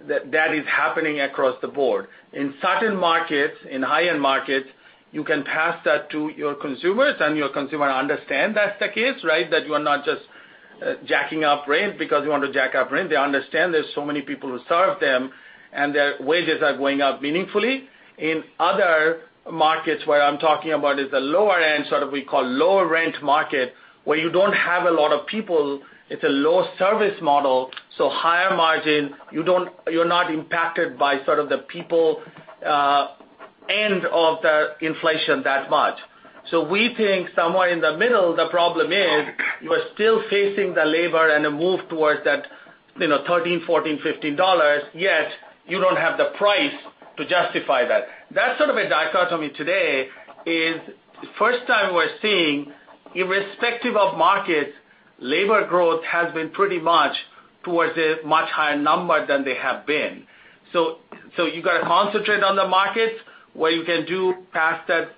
that is happening across the board. In certain markets, in high-end markets, you can pass that to your consumers, and your consumer understand that's the case, right? That you are not just jacking up rent because you want to jack up rent. They understand there's so many people who serve them, and their wages are going up meaningfully. In other markets, where I'm talking about is the lower end, sort of we call lower rent market, where you don't have a lot of people, it's a low-service model, so higher margin. You're not impacted by sort of the people end of the inflation that much. We think somewhere in the middle, the problem is you are still facing the labor and a move towards that $13, $14, $15, yet you don't have the price to justify that. That's sort of a dichotomy today is first time we're seeing, irrespective of markets, labor growth has been pretty much towards a much higher number than they have been. You got to concentrate on the markets where you can do pass that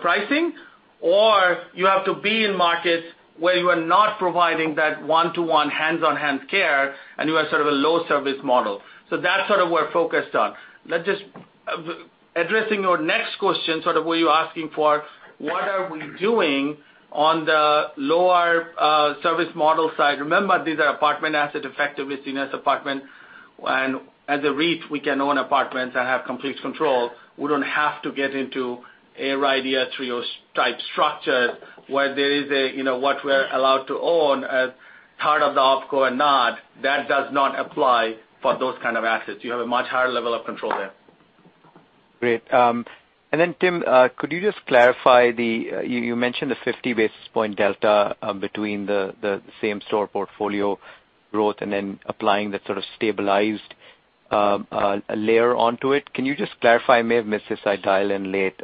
pricing, or you have to be in markets where you are not providing that one-to-one hands-on-hands care, and you have sort of a low-service model. That's sort of we're focused on. Addressing your next question, sort of where you're asking for what are we doing on the lower service model side. Remember, these are apartment asset, effectively seniors apartment. As a REIT, we can own apartments and have complete control. We don't have to get into a RIDEA 3.0 type structure where there is a, what we're allowed to own as part of the opco and not. That does not apply for those kind of assets. You have a much higher level of control there.
Great. Tim, could you just clarify, you mentioned the 50 basis point delta between the same-store portfolio growth and then applying that sort of stabilized layer onto it? Can you just clarify, I may have missed this, I dialed in late.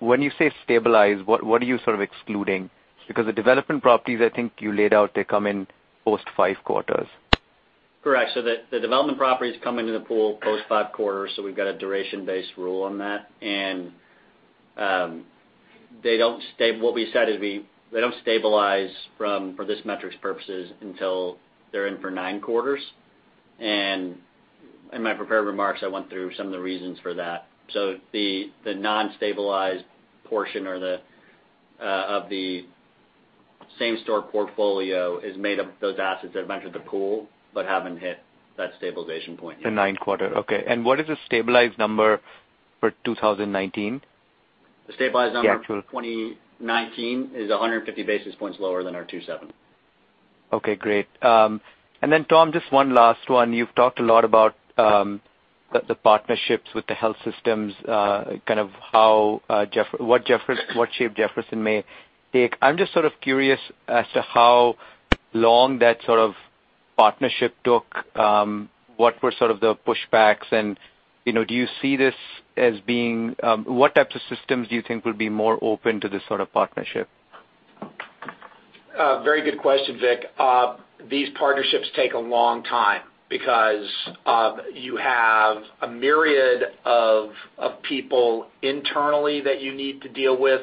When you say stabilize, what are you sort of excluding? The development properties, I think you laid out, they come in post five quarters.
Correct. The development properties come into the pool post five quarters, so we've got a duration-based rule on that. What we said is they don't stabilize for this metrics purposes until they're in for nine quarters. In my prepared remarks, I went through some of the reasons for that. The non-stabilized portion of the same-store portfolio is made of those assets that have entered the pool but haven't hit that stabilization point yet.
The ninth quarter. Okay. What is the stabilized number for 2019?
The stabilized number for 2019 is 150 basis points lower than our 2.7%.
Okay, great. Tom, just one last one. You've talked a lot about the partnerships with the health systems, kind of what shape Jefferson may take. I'm just sort of curious as to how long that sort of partnership took. What were sort of the pushbacks and what types of systems do you think will be more open to this sort of partnership?
Very good question, Vik. These partnerships take a long time because you have a myriad of people internally that you need to deal with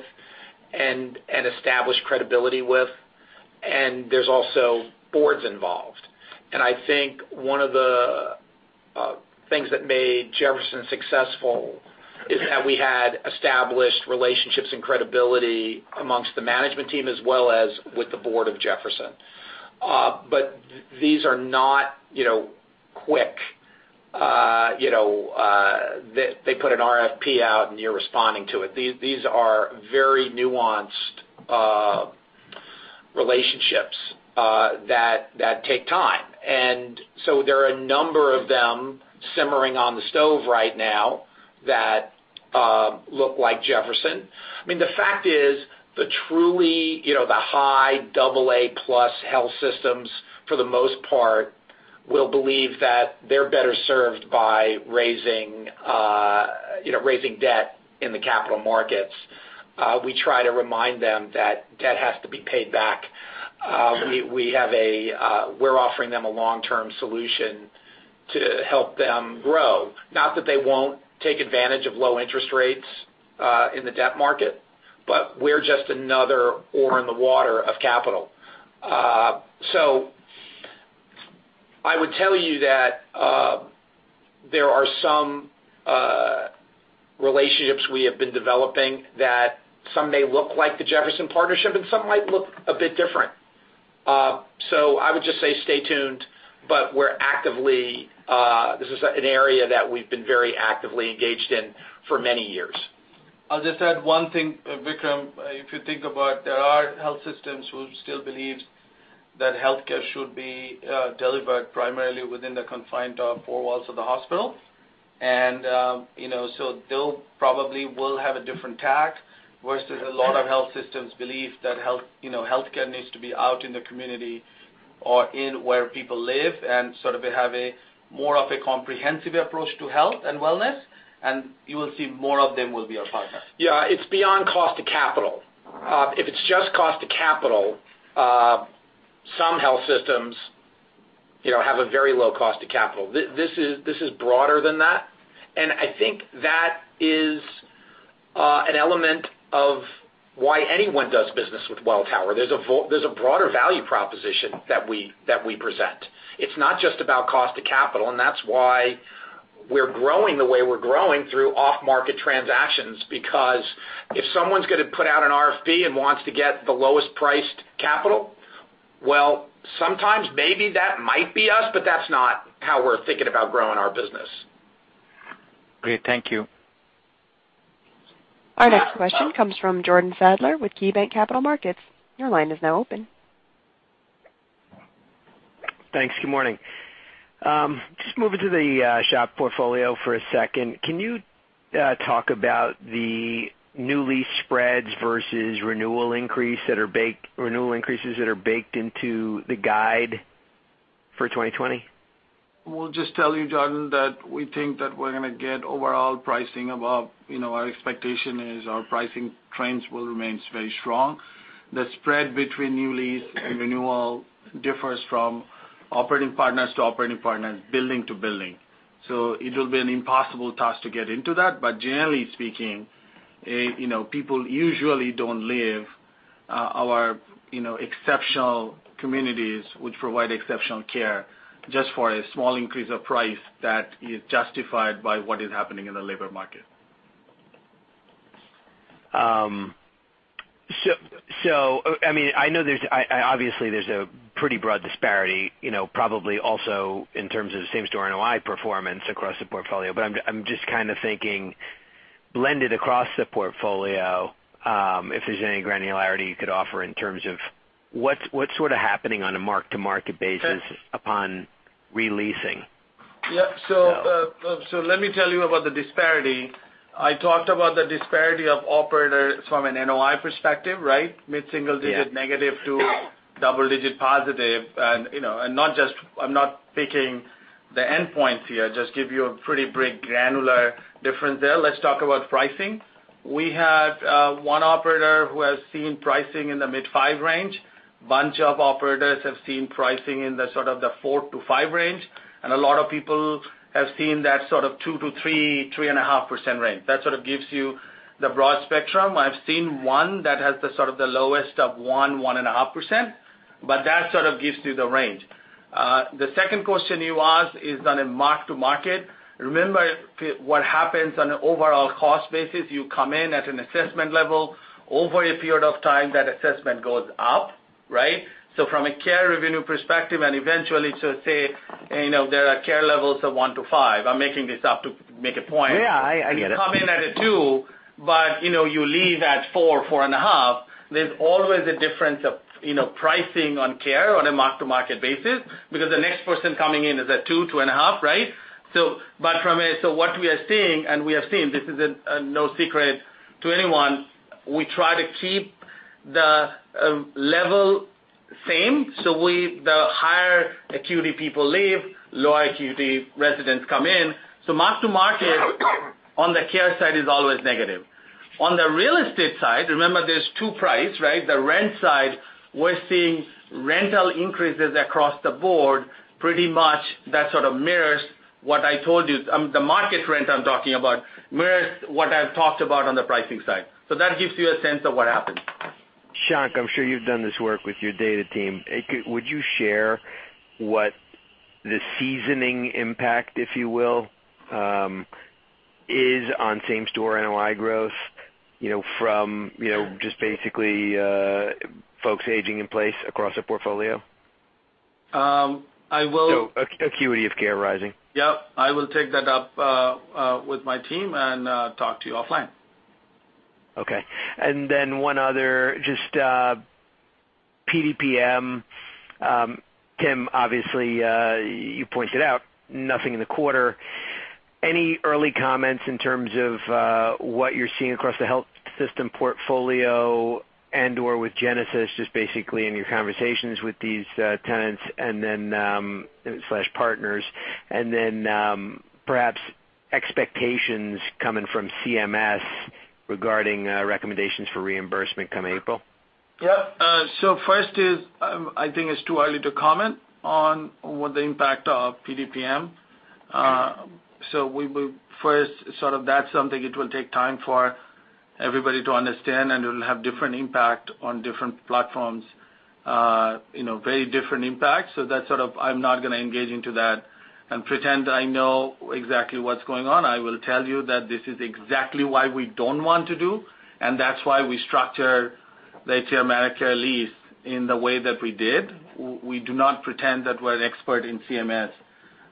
and establish credibility with. There's also boards involved. I think one of the things that made Jefferson successful is that we had established relationships and credibility amongst the management team, as well as with the board of Jefferson. These are not quick, they put an RFP out and you're responding to it. These are very nuanced relationships that take time. There are a number of them simmering on the stove right now that look like Jefferson. I mean, the fact is the truly high double-A plus health systems, for the most part, will believe that they're better served by raising debt in the capital markets. We try to remind them that debt has to be paid back. We're offering them a long-term solution to help them grow. Not that they won't take advantage of low interest rates in the debt market, but we're just another oar in the water of capital. I would tell you that there are some relationships we have been developing that some may look like the Jefferson partnership, and some might look a bit different. I would just say stay tuned, but this is an area that we've been very actively engaged in for many years.
I'll just add one thing, Vikram. If you think about there are health systems who still believe that healthcare should be delivered primarily within the confined four walls of the hospital. So they probably will have a different tact, versus a lot of health systems believe that healthcare needs to be out in the community or in where people live and sort of have more of a comprehensive approach to health and wellness. You will see more of them will be our partners.
Yeah. It's beyond cost of capital. If it's just cost of capital, some health systems have a very low cost of capital. This is broader than that, and I think that is an element of why anyone does business with Welltower. There's a broader value proposition that we present. It's not just about cost of capital, and that's why we're growing the way we're growing through off-market transactions. If someone's going to put out an RFP and wants to get the lowest priced capital, well, sometimes maybe that might be us, but that's not how we're thinking about growing our business.
Great. Thank you.
Our next question comes from Jordan Sadler with KeyBanc Capital Markets. Your line is now open.
Thanks. Good morning. Just moving to the SHOP portfolio for a second. Can you talk about the new lease spreads versus renewal increases that are baked into the guide for 2020?
We'll just tell you, Jordan, that we think that we're going to get overall pricing. Our expectation is our pricing trends will remain very strong. The spread between new lease and renewal differs from operating partners to operating partners, building to building. It will be an impossible task to get into that. Generally speaking, people usually don't leave our exceptional communities, which provide exceptional care just for a small increase of price that is justified by what is happening in the labor market.
Obviously there's a pretty broad disparity, probably also in terms of same-store NOI performance across the portfolio. I'm just kind of thinking, blended across the portfolio, if there's any granularity you could offer in terms of what's sort of happening on a mark-to-market basis upon re-leasing?
Yeah. Let me tell you about the disparity. I talked about the disparity of operators from an NOI perspective, right?
Yeah.
Mid-single-digit negative to double-digit positive. I'm not picking the endpoints here, just give you a pretty granular difference there. Let's talk about pricing. We have one operator who has seen pricing in the mid-5% range. Bunch of operators have seen pricing in the sort of the 4%-5% range, and a lot of people have seen that sort of 2%-3%, 3.5% range. That sort of gives you the broad spectrum. I've seen one that has the sort of the lowest of 1%, 1.5%, that sort of gives you the range. The second question you asked is on a mark-to-market. Remember what happens on an overall cost basis, you come in at an assessment level. Over a period of time, that assessment goes up, right? From a care revenue perspective, and eventually to say, there are care levels of 1%-5%. I'm making this up to make a point.
Yeah, I get it.
You come in at a 2%, you leave at 4%, 4.5%. There's always a difference of pricing on care on a mark-to-market basis because the next person coming in is at 2%, 2.5%, right? What we are seeing, and we have seen, this is no secret to anyone, we try to keep the level same. The higher acuity people leave, lower acuity residents come in. Mark-to-market on the care side is always negative. On the real estate side, remember, there's two price, right? The rent side, we're seeing rental increases across the board. Pretty much that sort of mirrors what I told you. The market rent I'm talking about mirrors what I've talked about on the pricing side. That gives you a sense of what happens.
Shank, I'm sure you've done this work with your data team. Would you share what the seasoning impact, if you will, is on same-store NOI growth from just basically folks aging in place across the portfolio? Acuity of care rising.
Yep. I will take that up with my team and talk to you offline.
Okay. One other, just PDPM. Tim, obviously, you pointed out nothing in the quarter. Any early comments in terms of what you're seeing across the health system portfolio and/or with Genesis, just basically in your conversations with these tenants and then/partners? Perhaps expectations coming from CMS regarding recommendations for reimbursement come April?
Yep. First is, I think it's too early to comment on what the impact of PDPM. We will first sort of that's something it will take time for everybody to understand, and it'll have different impact on different platforms. Very different impact. That sort of, I'm not going to engage into that and pretend I know exactly what's going on. I will tell you that this is exactly why we don't want to do, and that's why we structure the Atria Medicare lease in the way that we did. We do not pretend that we're an expert in CMS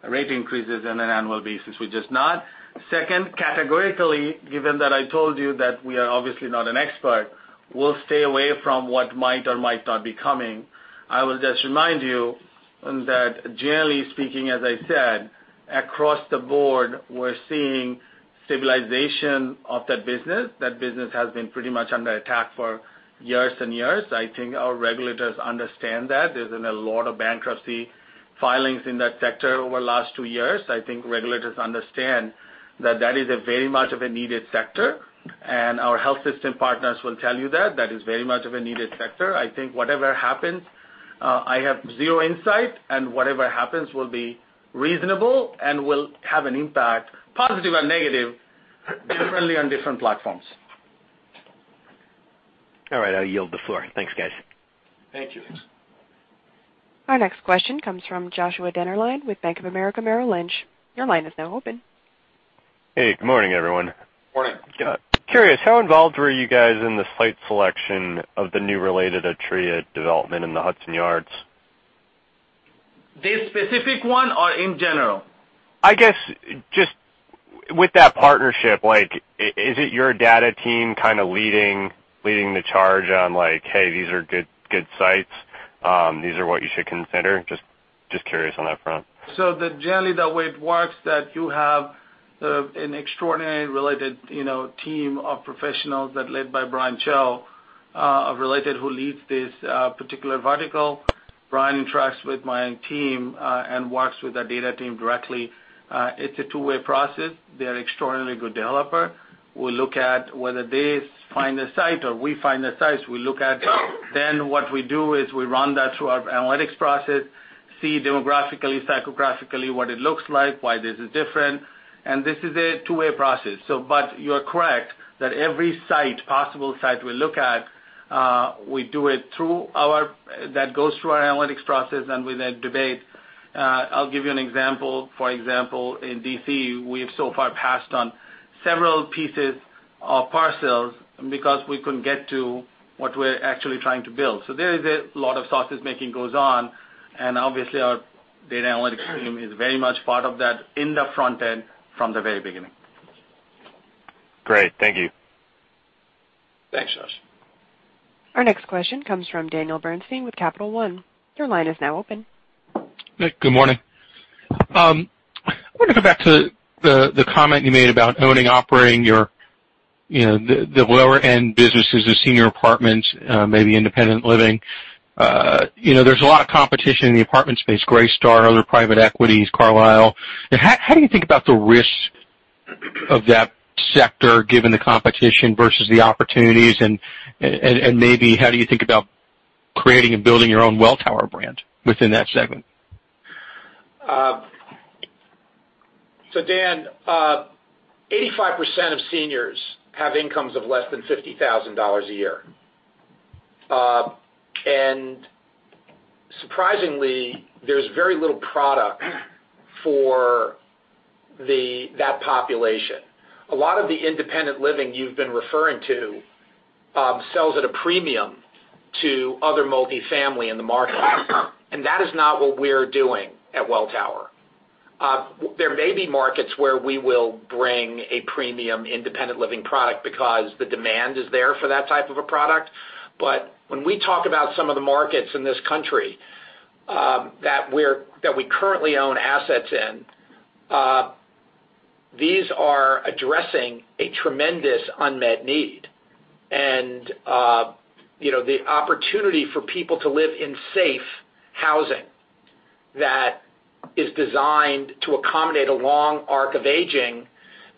rate increases on an annual basis. We're just not. Second, categorically, given that I told you that we are obviously not an expert, we'll stay away from what might or might not be coming. I will just remind you that generally speaking, as I said, across the board, we're seeing stabilization of that business. That business has been pretty much under attack for years and years. I think our regulators understand that. There's been a lot of bankruptcy filings in that sector over the last two years. I think regulators understand that that is a very much of a needed sector, and our health system partners will tell you that. That is very much of a needed sector. I think whatever happens, I have zero insight, and whatever happens will be reasonable and will have an impact, positive or negative, differently on different platforms.
All right, I yield the floor. Thanks, guys.
Thank you.
Our next question comes from Joshua Dennerlein with Bank of America Merrill Lynch. Your line is now open.
Hey, good morning, everyone.
Morning.
Curious, how involved were you guys in the site selection of the new Related Atria development in the Hudson Yards?
This specific one or in general?
I guess just with that partnership, is it your data team kind of leading the charge on like, "Hey, these are good sites. These are what you should consider"? Just curious on that front.
Generally the way it works is that you have an extraordinary Related team of professionals that led by Bryan Cho of Related who leads this particular vertical. Bryan interacts with my team and works with our data team directly. It's a two-way process. They're an extraordinarily good developer. We look at whether they find the site or we find the sites. We look at it. What we do is we run that through our analytics process, see demographically, psychographically what it looks like, why this is different, and this is a two-way process. You are correct that every possible site we look at, that goes through our analytics process, and we then debate. I'll give you an example. For example, in D.C., we've so far passed on several pieces of parcels because we couldn't get to what we're actually trying to build. There is a lot of sausage-making that goes on, and obviously our data analytics team is very much part of that in the front end from the very beginning.
Great. Thank you.
Thanks, Josh.
Our next question comes from Daniel Bernstein with Capital One. Your line is now open.
Good morning. I want to go back to the comment you made about owning and operating the lower-end businesses, the senior apartments, maybe independent living. There's a lot of competition in the apartment space, Greystar, other private equities, Carlyle. How do you think about the risk of that sector, given the competition versus the opportunities? Maybe how do you think about creating and building your own Welltower brand within that segment?
Dan, 85% of seniors have incomes of less than $50,000 a year. Surprisingly, there's very little product for that population. A lot of the independent living you've been referring to sells at a premium to other multifamily in the market. That is not what we're doing at Welltower. There may be markets where we will bring a premium independent living product because the demand is there for that type of a product. When we talk about some of the markets in this country that we currently own assets in, these are addressing a tremendous unmet need. The opportunity for people to live in safe housing that is designed to accommodate a long arc of aging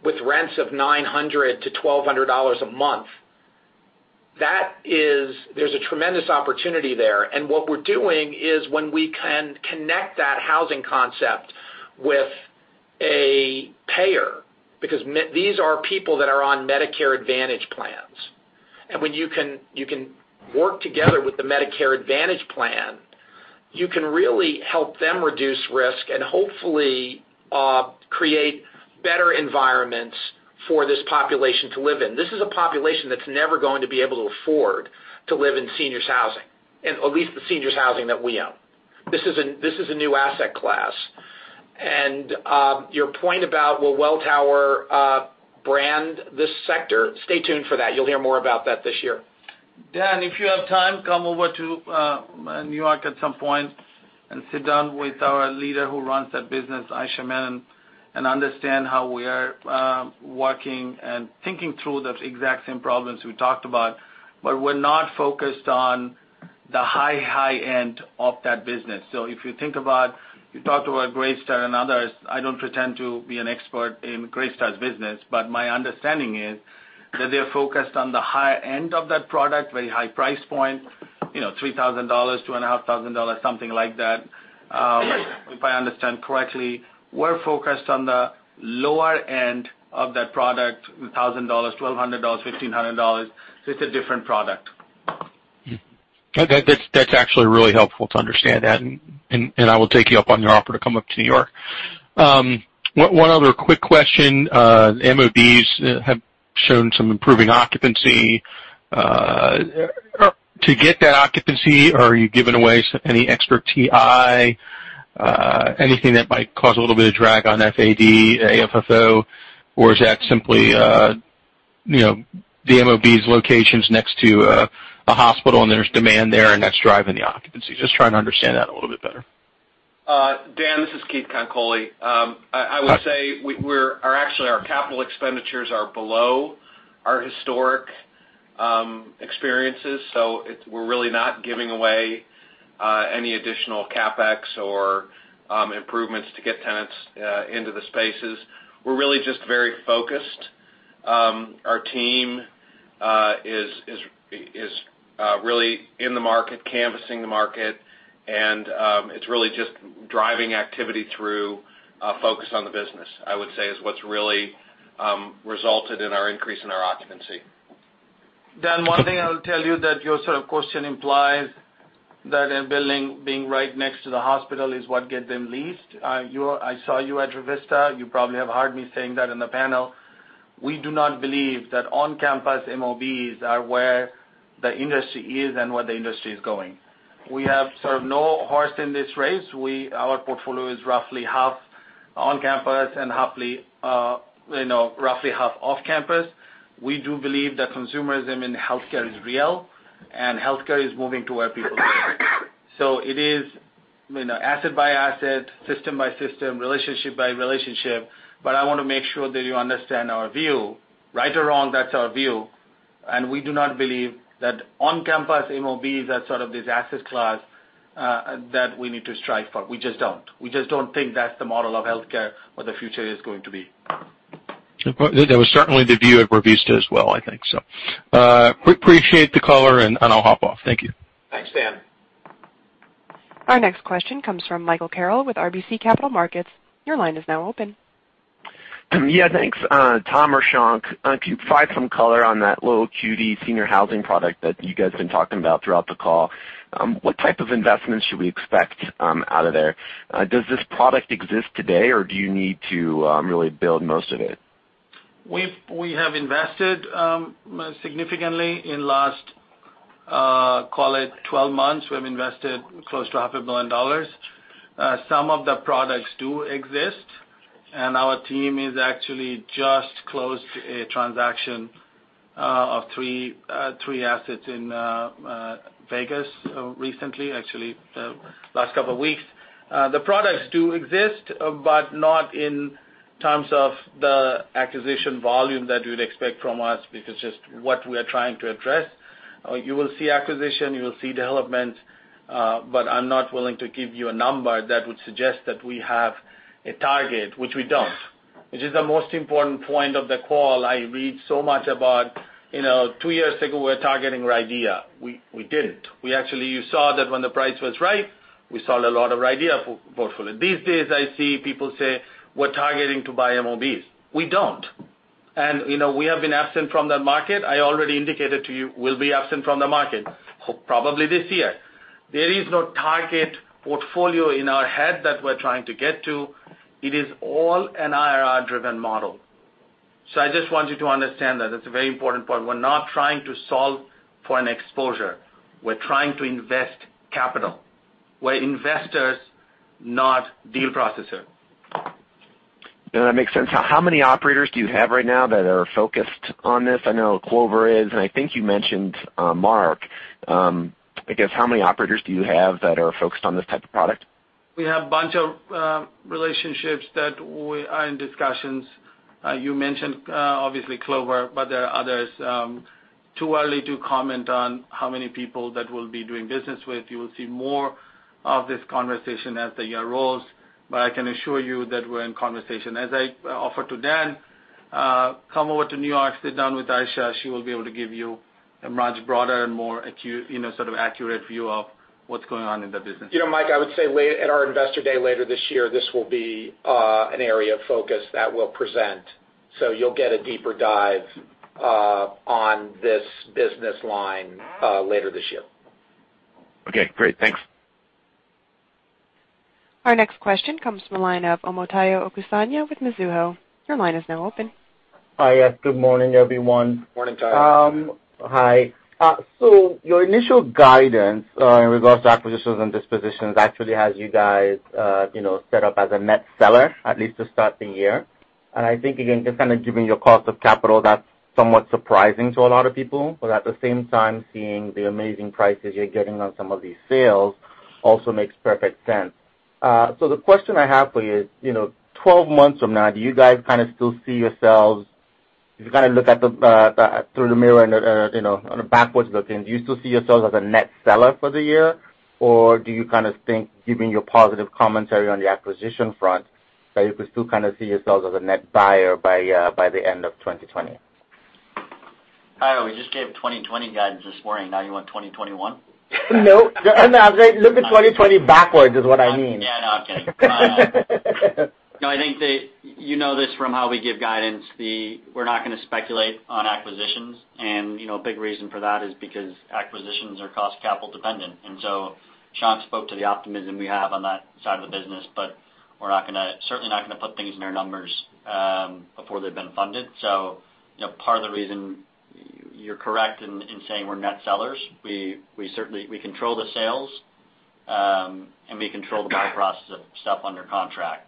with rents of $900-$1,200 a month, there's a tremendous opportunity there. What we're doing is when we can connect that housing concept with a payer, because these are people that are on Medicare Advantage plans. When you can work together with the Medicare Advantage plan, you can really help them reduce risk and hopefully create better environments for this population to live in. This is a population that's never going to be able to afford to live in seniors housing, at least the seniors housing that we own. This is a new asset class. Your point about will Welltower brand this sector, stay tuned for that. You'll hear more about that this year.
Dan, if you have time, come over to New York at some point and sit down with our leader who runs that business, Ayesha Menon, and understand how we are working and thinking through those exact same problems we talked about. We're not focused on the high end of that business. If you think about, you talked about Greystar and others. I don't pretend to be an expert in Greystar's business, but my understanding is that they're focused on the high end of that product, very high price point $3,000, $2,500, something like that.
Yes.
If I understand correctly, we're focused on the lower end of that product, $1,000, $1,200, $1,500. It's a different product.
That's actually really helpful to understand that. I will take you up on your offer to come up to New York. One other quick question. MOBs have shown some improving occupancy. To get that occupancy, are you giving away any extra TI? Anything that might cause a little bit of drag on FAD, AFFO? Is that simply the MOB's location's next to a hospital, and there's demand there, and that's driving the occupancy? Just trying to understand that a little bit better.
Dan, this is Keith Konkoli. I would say, actually, our capital expenditures are below our historic experiences, so we're really not giving away any additional CapEx or improvements to get tenants into the spaces. We're really just very focused. Our team is really in the market, canvassing the market, and it's really just driving activity through a focus on the business, I would say, is what's really resulted in our increase in our occupancy.
Dan, one thing I will tell you that your sort of question implies that a building being right next to the hospital is what get them leased. I saw you at Revista. You probably have heard me saying that in the panel. We do not believe that on-campus MOBs are where the industry is and where the industry is going. We have sort of no horse in this race. Our portfolio is roughly half on campus and roughly half off campus. We do believe that consumerism in healthcare is real, and healthcare is moving to where people live. It is asset by asset, system by system, relationship by relationship, but I want to make sure that you understand our view. Right or wrong, that's our view, and we do not believe that on-campus MOB is that sort of this asset class that we need to strive for. We just don't think that's the model of healthcare or the future is going to be.
That was certainly the view of Revista as well, I think so. Appreciate the color, and I'll hop off. Thank you.
Thanks, Dan.
Our next question comes from Michael Carroll with RBC Capital Markets. Your line is now open.
Yeah, thanks. Tom or Shank, could you provide some color on that lower acuity senior housing product that you guys been talking about throughout the call? What type of investments should we expect out of there? Does this product exist today, or do you need to really build most of it?
We have invested significantly in last, call it 12 months, we've invested close to half a billion dollars. Some of the products do exist, and our team is actually just closed a transaction of three assets in Vegas recently, actually, last couple of weeks. The products do exist, but not in terms of the acquisition volume that you'd expect from us because just what we are trying to address. You will see acquisition, you will see development, but I'm not willing to give you a number that would suggest that we have a target, which we don't, which is the most important point of the call. I read so much about two years ago, we were targeting RIDEA. We didn't. We actually, you saw that when the price was right, we sold a lot of RIDEA portfolio. These days, I see people say we're targeting to buy MOBs. We don't. We have been absent from that market. I already indicated to you we'll be absent from the market, probably this year. There is no target portfolio in our head that we're trying to get to. It is all an IRR-driven model. I just want you to understand that it's a very important point. We're not trying to solve for an exposure. We're trying to invest capital. We're investors, not deal processor.
That makes sense. How many operators do you have right now that are focused on this? I know Clover is, and I think you mentioned Mark. I guess, how many operators do you have that are focused on this type of product?
We have bunch of relationships that we are in discussions. You mentioned, obviously, Clover, but there are others. Too early to comment on how many people that we'll be doing business with. You will see more of this conversation as the year rolls. I can assure you that we're in conversation. As I offered to Dan, come over to New York, sit down with Ayesha. She will be able to give you a much broader and more sort of accurate view of what's going on in the business.
Mike, I would say at our investor day later this year, this will be an area of focus that we'll present. You'll get a deeper dive on this business line later this year.
Okay, great. Thanks.
Our next question comes from the line of Omotayo Okusanya with Mizuho. Your line is now open.
Hi. Good morning, everyone.
Morning, Tayo.
Hi. Your initial guidance in regards to acquisitions and dispositions actually has you guys set up as a net seller, at least to start the year. I think, again, just kind of given your cost of capital, that's somewhat surprising to a lot of people. But at the same time, seeing the amazing prices you're getting on some of these sales also makes perfect sense. The question I have for you is, 12 months from now, if you kind of look through the mirror on a backwards-looking, do you still see yourselves as a net seller for the year? Do you kind of think, given your positive commentary on the acquisition front-you could still kind of see yourselves as a net buyer by the end of 2020.
Hi, we just gave 2020 guidance this morning. Now you want 2021?
No. No, I'm saying look at 2020 backwards is what I mean.
Yeah, no, I'm kidding. I think that you know this from how we give guidance. We're not going to speculate on acquisitions, and a big reason for that is because acquisitions are cost capital dependent. Shankh spoke to the optimism we have on that side of the business, but we're certainly not going to put things in our numbers before they've been funded. Part of the reason you're correct in saying we're net sellers. We control the sales, and we control the buy process of stuff under contract.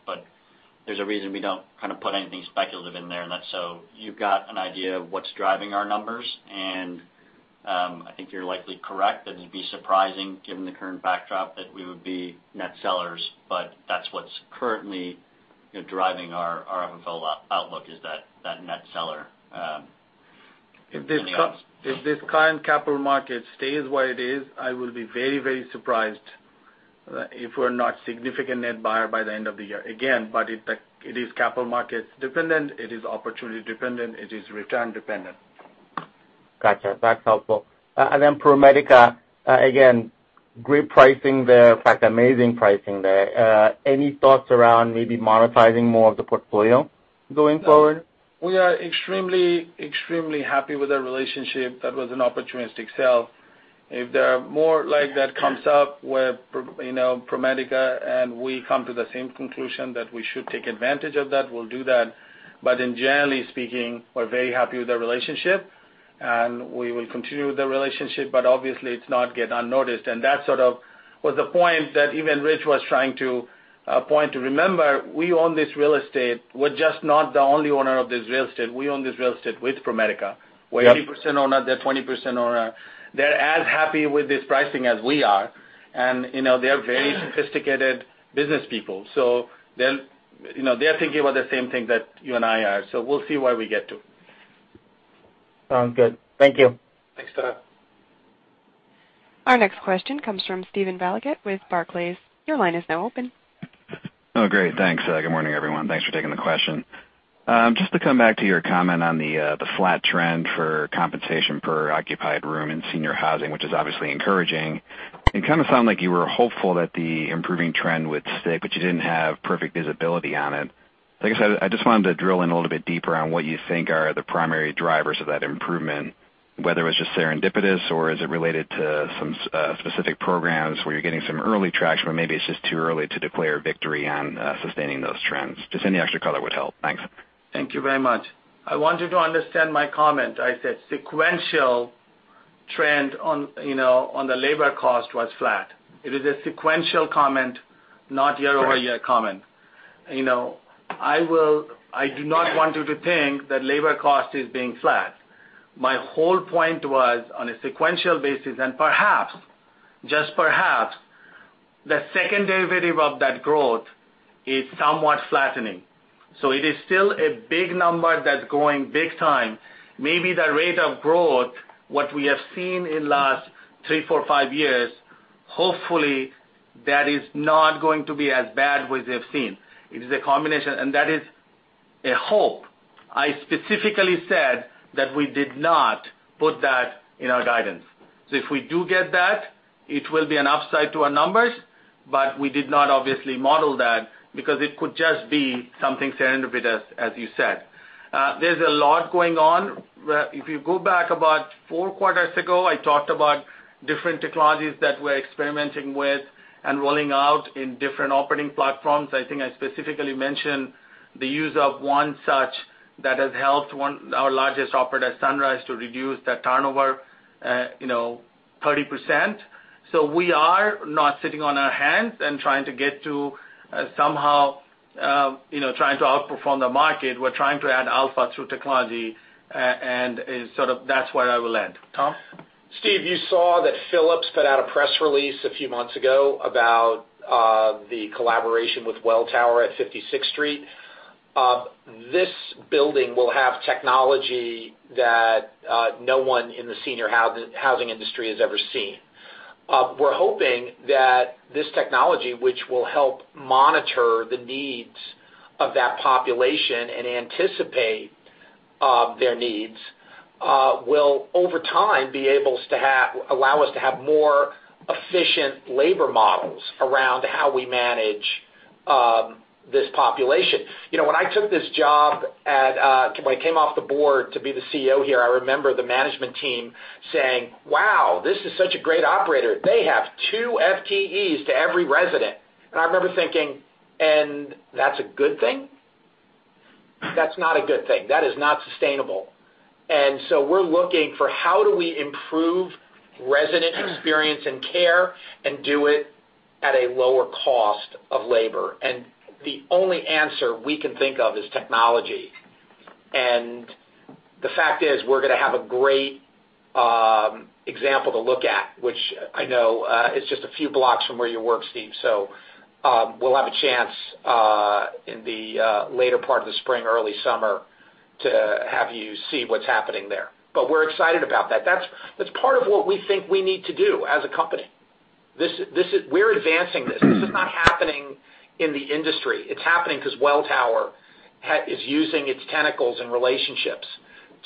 There's a reason we don't put anything speculative in there, and that's so you've got an idea of what's driving our numbers and, I think you're likely correct that it'd be surprising given the current backdrop that we would be net sellers, but that's what's currently driving our FFO outlook is that net seller.
If this current capital market stays where it is, I will be very, very surprised if we're not significant net buyer by the end of the year. It is capital markets dependent, it is opportunity dependent, it is return dependent.
Got you. That's helpful. ProMedica, again, great pricing there. In fact, amazing pricing there. Any thoughts around maybe monetizing more of the portfolio going forward?
We are extremely happy with our relationship. That was an opportunistic sale. If there are more like that comes up with ProMedica and we come to the same conclusion that we should take advantage of that, we'll do that. In generally speaking, we're very happy with the relationship, and we will continue the relationship, but obviously it's not gone unnoticed, and that sort of was the point that even Rich was trying to point to remember, we own this real estate. We're just not the only owner of this real estate. We own this real estate with ProMedica. We're 80% owner, they're 20% owner. They're as happy with this pricing as we are, and they are very sophisticated business people. They are thinking about the same thing that you and I are. We'll see where we get to.
Sounds good. Thank you.
Thanks, Tayo.
Our next question comes from Steven Valiquette with Barclays. Your line is now open.
Oh, great. Thanks. Good morning, everyone. Thanks for taking the question. To come back to your comment on the flat trend for compensation per occupied room in senior housing, which is obviously encouraging. It kind of sounded like you were hopeful that the improving trend would stick, you didn't have perfect visibility on it. I guess I just wanted to drill in a little bit deeper on what you think are the primary drivers of that improvement, whether it was just serendipitous or is it related to some specific programs where you're getting some early traction, maybe it's just too early to declare victory on sustaining those trends. Any extra color would help. Thanks.
Thank you very much. I want you to understand my comment. I said sequential trend on the labor cost was flat. It is a sequential comment, not year-over-year comment. I do not want you to think that labor cost is being flat. Perhaps, just perhaps, the second derivative of that growth is somewhat flattening. It is still a big number that's growing big time. Maybe the rate of growth, what we have seen in last three, four, five years, hopefully that is not going to be as bad as we have seen. It is a combination, that is a hope. I specifically said that we did not put that in our guidance. If we do get that, it will be an upside to our numbers, but we did not obviously model that because it could just be something serendipitous, as you said. There's a lot going on. If you go back about four quarters ago, I talked about different technologies that we're experimenting with and rolling out in different operating platforms. I think I specifically mentioned the use of one such that has helped our largest operator, Sunrise, to reduce the turnover 30%. We are not sitting on our hands and trying to get to somehow outperform the market. We're trying to add alpha through technology, and sort of that's where I will end. Tom?
Steve, you saw that Philips put out a press release a few months ago about the collaboration with Welltower at 56th Street. This building will have technology that no one in the senior housing industry has ever seen. We're hoping that this technology, which will help monitor the needs of that population and anticipate their needs, will over time be able to allow us to have more efficient labor models around how we manage this population. When I took this job when I came off the board to be the CEO here, I remember the management team saying, "Wow, this is such a great operator. They have two FTEs to every resident." I remember thinking, "And that's a good thing?" That's not a good thing. That is not sustainable. We're looking for how do we improve resident experience and care, and do it at a lower cost of labor. The only answer we can think of is technology. The fact is, we're going to have a great example to look at, which I know is just a few blocks from where you work, Steve. We'll have a chance, in the later part of the spring, early summer, to have you see what's happening there. We're excited about that. That's part of what we think we need to do as a company. We're advancing this. This is not happening in the industry. It's happening because Welltower is using its tentacles and relationships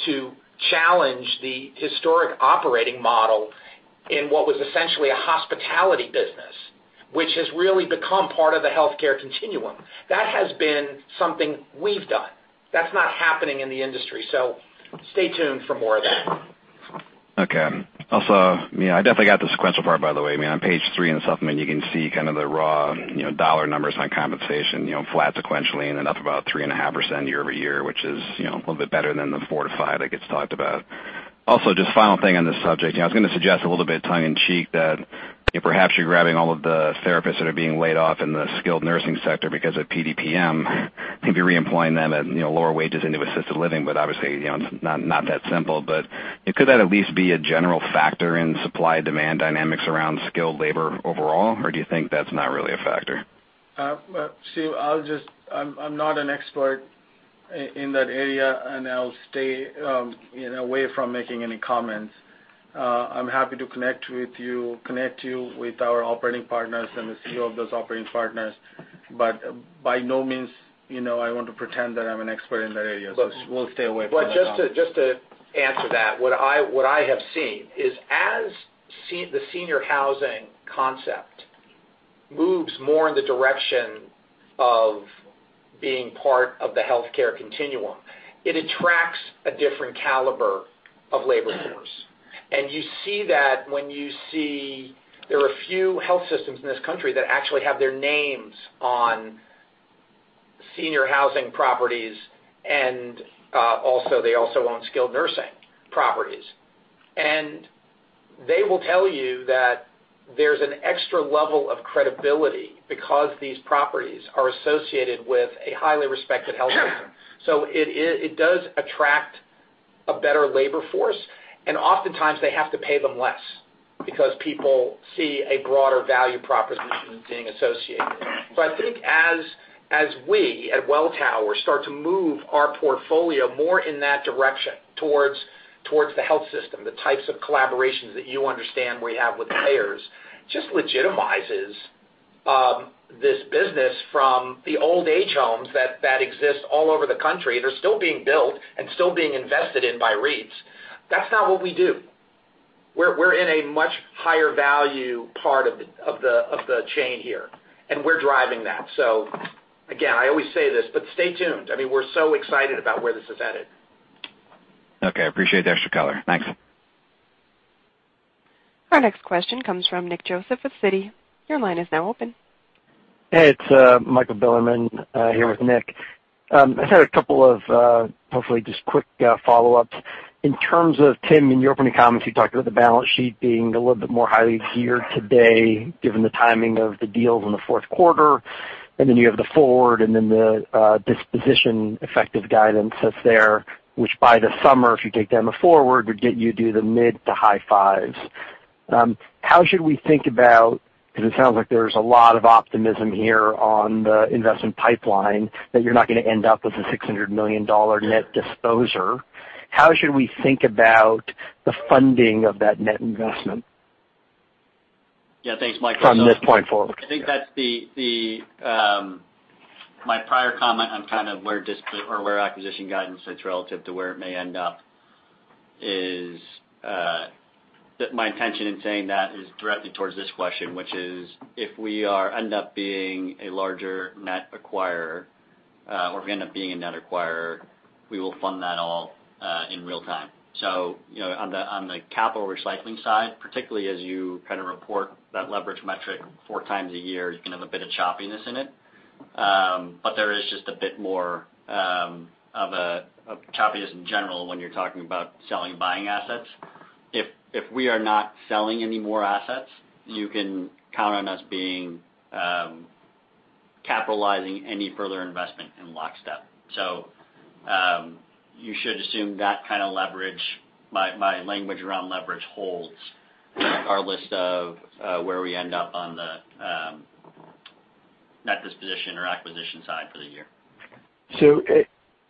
to challenge the historic operating model in what was essentially a hospitality business, which has really become part of the healthcare continuum. That has been something we've done. That's not happening in the industry. Stay tuned for more of that.
I definitely got the sequential part, by the way. On page three in the supplement, you can see kind of the raw dollar numbers on compensation, flat sequentially and then up about 3.5% year-over-year, which is a little bit better than the 4%-5% that gets talked about. Just final thing on this subject. I was going to suggest a little bit of tongue in cheek that perhaps you're grabbing all of the therapists that are being laid off in the skilled nursing sector because of PDPM, maybe reemploying them at lower wages into assisted living, but obviously, it's not that simple. Could that at least be a general factor in supply demand dynamics around skilled labor overall? Do you think that's not really a factor?
Steve, I'm not an expert in that area, and I'll stay away from making any comments. I'm happy to connect you with our operating partners and the CEO of those operating partners. By no means, I want to pretend that I'm an expert in that area. We'll stay away from that.
Just to answer that, what I have seen is as the senior housing concept moves more in the direction of being part of the healthcare continuum, it attracts a different caliber of labor force. You see that when you see there are a few health systems in this country that actually have their names on senior housing properties, and they also own skilled nursing properties. They will tell you that there's an extra level of credibility because these properties are associated with a highly respected health system. It does attract a better labor force, and oftentimes they have to pay them less because people see a broader value proposition being associated. I think as we at Welltower start to move our portfolio more in that direction towards the health system, the types of collaborations that you understand we have with the payers, just legitimizes this business from the old age homes that exist all over the country. They're still being built and still being invested in by REITs. That's not what we do. We're in a much higher value part of the chain here, and we're driving that. Again, I always say this, but stay tuned. We're so excited about where this is headed.
Okay. I appreciate the extra color. Thanks.
Our next question comes from Nick Joseph with Citi. Your line is now open.
Hey, it's Michael Bilerman here with Nick. I just had a couple of, hopefully, just quick follow-ups. In terms of, Tim, in your opening comments, you talked about the balance sheet being a little bit more highly geared today, given the timing of the deals in the fourth quarter, and then you have the forward, and then the disposition effective guidance that's there, which by the summer, if you take them a forward, would get you to the mid to high fives. How should we think about, because it sounds like there's a lot of optimism here on the investment pipeline, that you're not going to end up with a $600 million net disposer. How should we think about the funding of that net investment? From this point forward?
Yeah. Thanks, Michael. I think that my prior comment on kind of where acquisition guidance sits relative to where it may end up is that my intention in saying that is directly towards this question, which is, if we end up being a larger net acquirer, or if we end up being a net acquirer, we will fund that all in real time. On the capital recycling side, particularly as you kind of report that leverage metric four times a year, you can have a bit of choppiness in it. There is just a bit more of a choppiness in general when you're talking about selling and buying assets. If we are not selling any more assets, you can count on us being capitalizing any further investment in lockstep. You should assume that kind of leverage. My language around leverage holds regardless of where we end up on the net disposition or acquisition side for the year.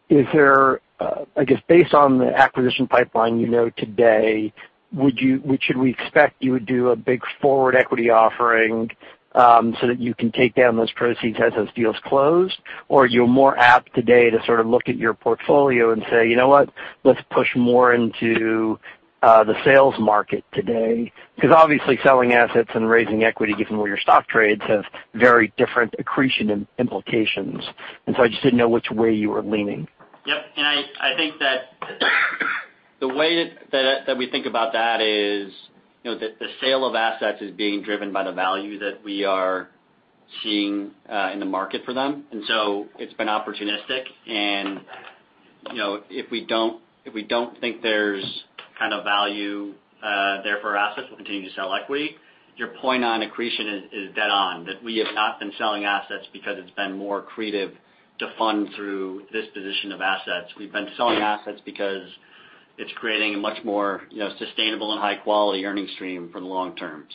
Is there, I guess, based on the acquisition pipeline you know today, should we expect you would do a big forward equity offering, so that you can take down those proceeds as those deals close? Are you more apt today to sort of look at your portfolio and say, "You know what? Let's push more into the sales market today"? Obviously selling assets and raising equity, given where your stock trades, have very different accretion implications. I just didn't know which way you were leaning.
Yep. I think that the way that we think about that is the sale of assets is being driven by the value that we are seeing in the market for them. It's been opportunistic, and if we don't think there's kind of value there for assets, we'll continue to sell equity. Your point on accretion is dead on, that we have not been selling assets because it's been more accretive to fund through this position of assets. We've been selling assets because it's creating a much more sustainable and high-quality earning stream for the long term.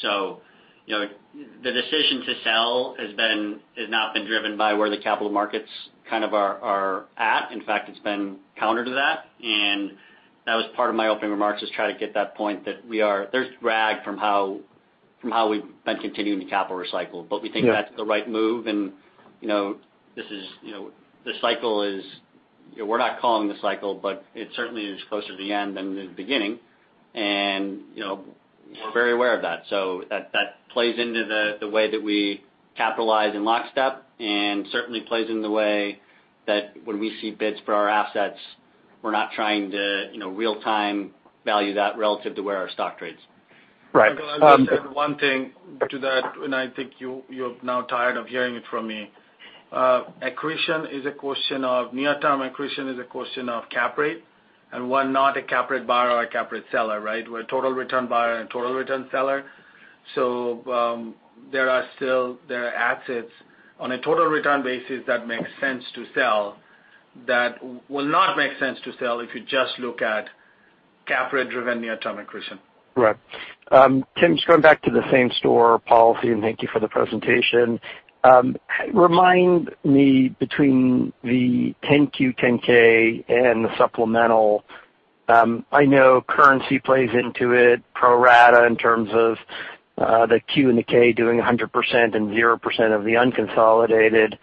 The decision to sell has not been driven by where the capital markets kind of are at. In fact, it's been counter to that. That was part of my opening remarks, is try to get that point that there's drag from how we've been continuing the capital recycle.
Yeah.
We think that's the right move, and we're not calling the cycle, but it certainly is closer to the end than the beginning, and we're very aware of that. That plays into the way that we capitalize in lockstep, and certainly plays into the way that when we see bids for our assets, we're not trying to real time value that relative to where our stock trades.
Right.
Michael, I would add one thing to that. I think you're now tired of hearing it from me. Near-term accretion is a question of cap rate. We're not a cap rate buyer or a cap rate seller, right? We're a total return buyer and a total return seller. There are assets on a total return basis that makes sense to sell, that will not make sense to sell if you just look at cap rate driven near-term accretion.
Right. Tim, just going back to the same-store policy, and thank you for the presentation. Remind me between the 10Q, 10K and the supplemental. I know currency plays into it, pro rata in terms of the Q and the K doing 100% and 0% of the unconsolidated.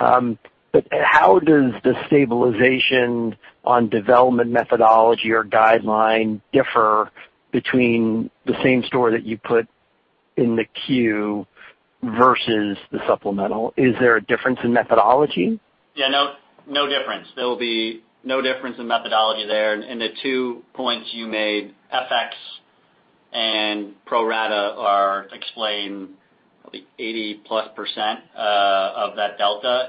How does the stabilization on development methodology or guideline differ between the same store that you put in the Q versus the supplemental? Is there a difference in methodology?
Yeah, no difference. There will be no difference in methodology there. The two points you made, FX and pro rata, explain, I think, 80%+ of that delta.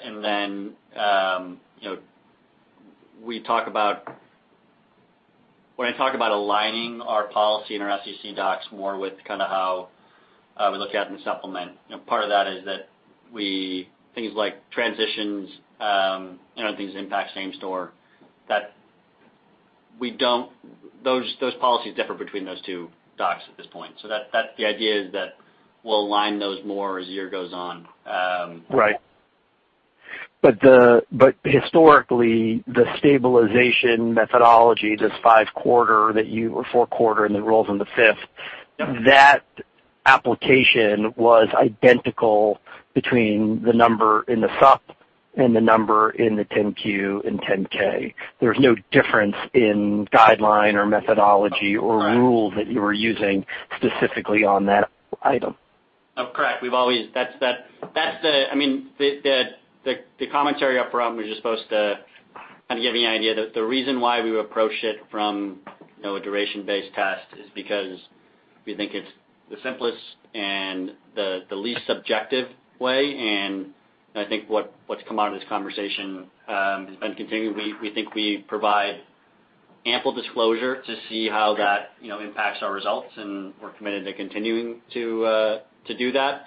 When I talk about aligning our policy and our SEC docs more with kind of how we look at in the supplement, part of that is that things like transitions and other things impact same store. Those policies differ between those two docs at this point. The idea is that we'll align those more as the year goes on.
Right. Historically, the stabilization methodology, this five quarter or four quarter and then rolls on the fifth that application was identical between the number in the sup and the number in the 10Q and 10K. There's no difference in guideline or methodology or rule that you were using specifically on that item.
No, correct. The commentary up front was just supposed to kind of give you an idea that the reason why we approach it from a duration-based test is because we think it's the simplest and the least subjective way, and I think what's come out of this conversation has been continuing. We think we provide ample disclosure to see how that impacts our results, and we're committed to continuing to do that.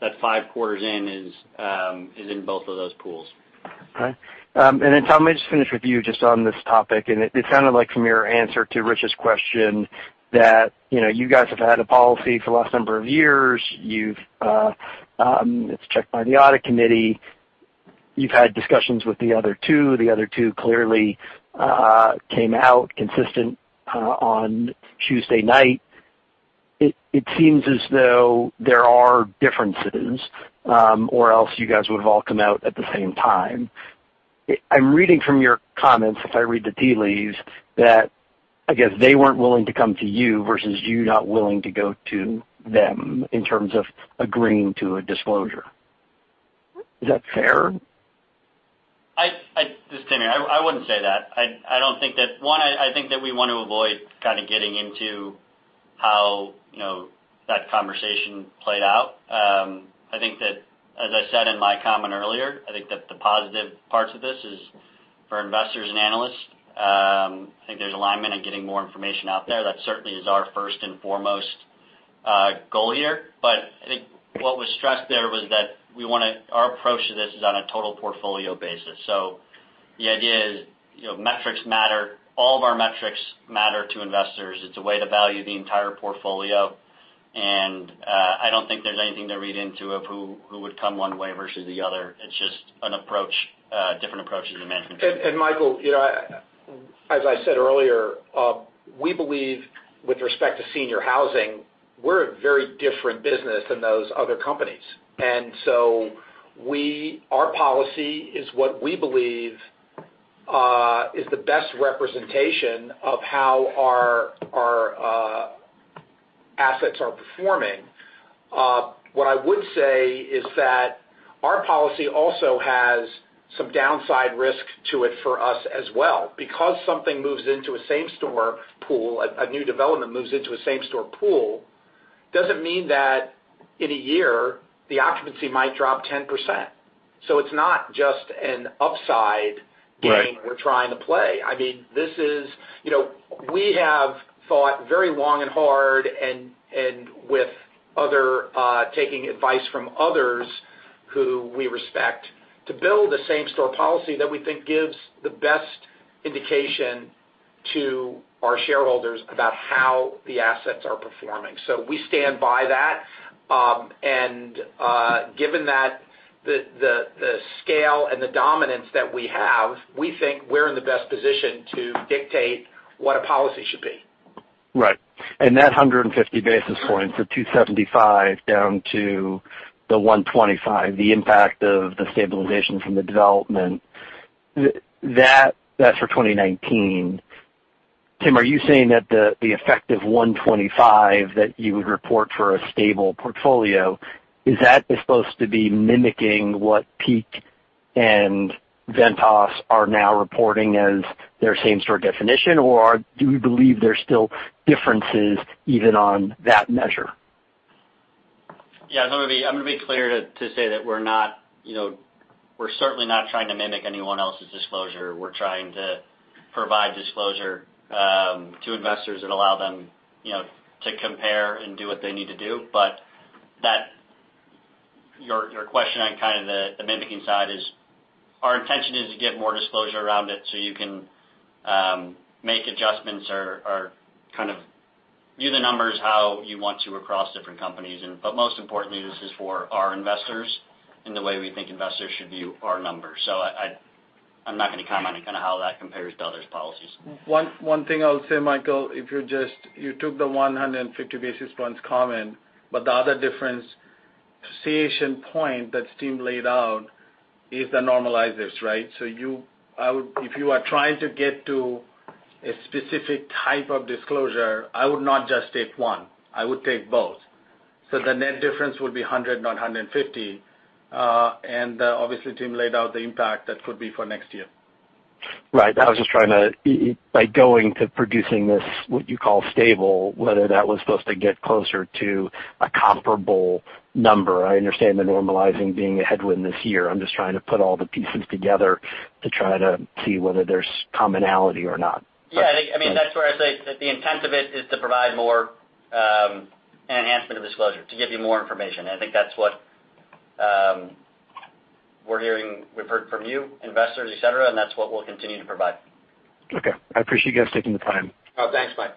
That five quarters in is in both of those pools.
Okay. Tom, let me just finish with you just on this topic, and it sounded like from your answer to Rich's question that you guys have had a policy for the last number of years. It's checked by the audit committee. You've had discussions with the other two. The other two clearly came out consistent on Tuesday night. It seems as though there are differences, or else you guys would've all come out at the same time. I'm reading from your comments, if I read the tea leaves, that I guess they weren't willing to come to you versus you not willing to go to them in terms of agreeing to a disclosure. Is that fair?
This is Tim here. I wouldn't say that. One, I think that we want to avoid kind of getting into how that conversation played out. As I said in my comment earlier, I think that the positive parts of this is for investors and analysts. I think there's alignment in getting more information out there. That certainly is our first and foremost goal here. I think what was stressed there was that our approach to this is on a total portfolio basis. The idea is metrics matter. All of our metrics matter to investors. It's a way to value the entire portfolio, and I don't think there's anything to read into of who would come one way versus the other. It's just a different approach to the management team.
Michael, as I said earlier, we believe, with respect to senior housing, we're a very different business than those other companies. Our policy is what we believe is the best representation of how our assets are performing. What I would say is that our policy also has some downside risk to it for us as well. Because something moves into a same-store pool, a new development moves into a same-store pool, doesn't mean that in a year the occupancy might drop 10%. It's not just an upside game we're trying to play. We have thought very long and hard and with taking advice from others who we respect to build a same-store policy that we think gives the best indication to our shareholders about how the assets are performing. We stand by that, and given that the scale and the dominance that we have, we think we're in the best position to dictate what a policy should be.
Right. That 150 basis points, the 2.75% down to the 1.25%, the impact of the stabilization from the development, that's for 2019. Tim, are you saying that the effective 1.25 that you would report for a stable portfolio, is that supposed to be mimicking what Peak and Ventas are now reporting as their same-store definition, or do we believe there's still differences even on that measure?
Yeah. I'm going to be clear to say that we're certainly not trying to mimic anyone else's disclosure. We're trying to provide disclosure to investors that allow them to compare and do what they need to do. Your question on the mimicking side is, our intention is to give more disclosure around it so you can make adjustments or view the numbers how you want to across different companies. Most importantly, this is for our investors and the way we think investors should view our numbers. I'm not going to comment on how that compares to others' policies.
One thing I'll say, Michael, if you took the 150 basis points comment, but the other difference, association point that Tim laid out is the normalizers, right? If you are trying to get to a specific type of disclosure, I would not just take one. I would take both. The net difference would be 100, not 150. Obviously, Tim laid out the impact that could be for next year.
Right. I was just trying to, by going to producing this, what you call stable, whether that was supposed to get closer to a comparable number. I understand the normalizing being a headwind this year. I'm just trying to put all the pieces together to try to see whether there's commonality or not.
Yeah, that's where I say that the intent of it is to provide more enhancement of disclosure, to give you more information. I think that's what we've heard from you, investors, et cetera, and that's what we'll continue to provide.
Okay. I appreciate you guys taking the time.
Oh, thanks, Mike.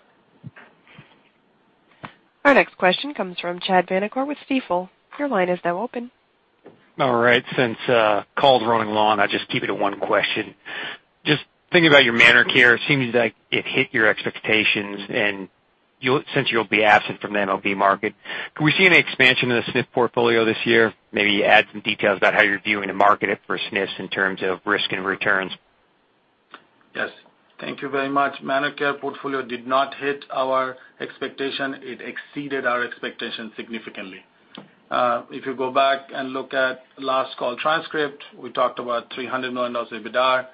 Our next question comes from Chad Vanacore with Stifel. Your line is now open.
All right. Since the call's running long, I'll just keep it to one question. Just thinking about your ManorCare, it seems like it hit your expectations, and since you'll be absent from the MOB market, could we see any expansion in the SNF portfolio this year? Maybe add some details about how you're viewing the market for SNFs in terms of risk and returns.
Yes. Thank you very much. ManorCare portfolio did not hit our expectation. It exceeded our expectation significantly. If you go back and look at last call transcript, we talked about $300 million EBITDA.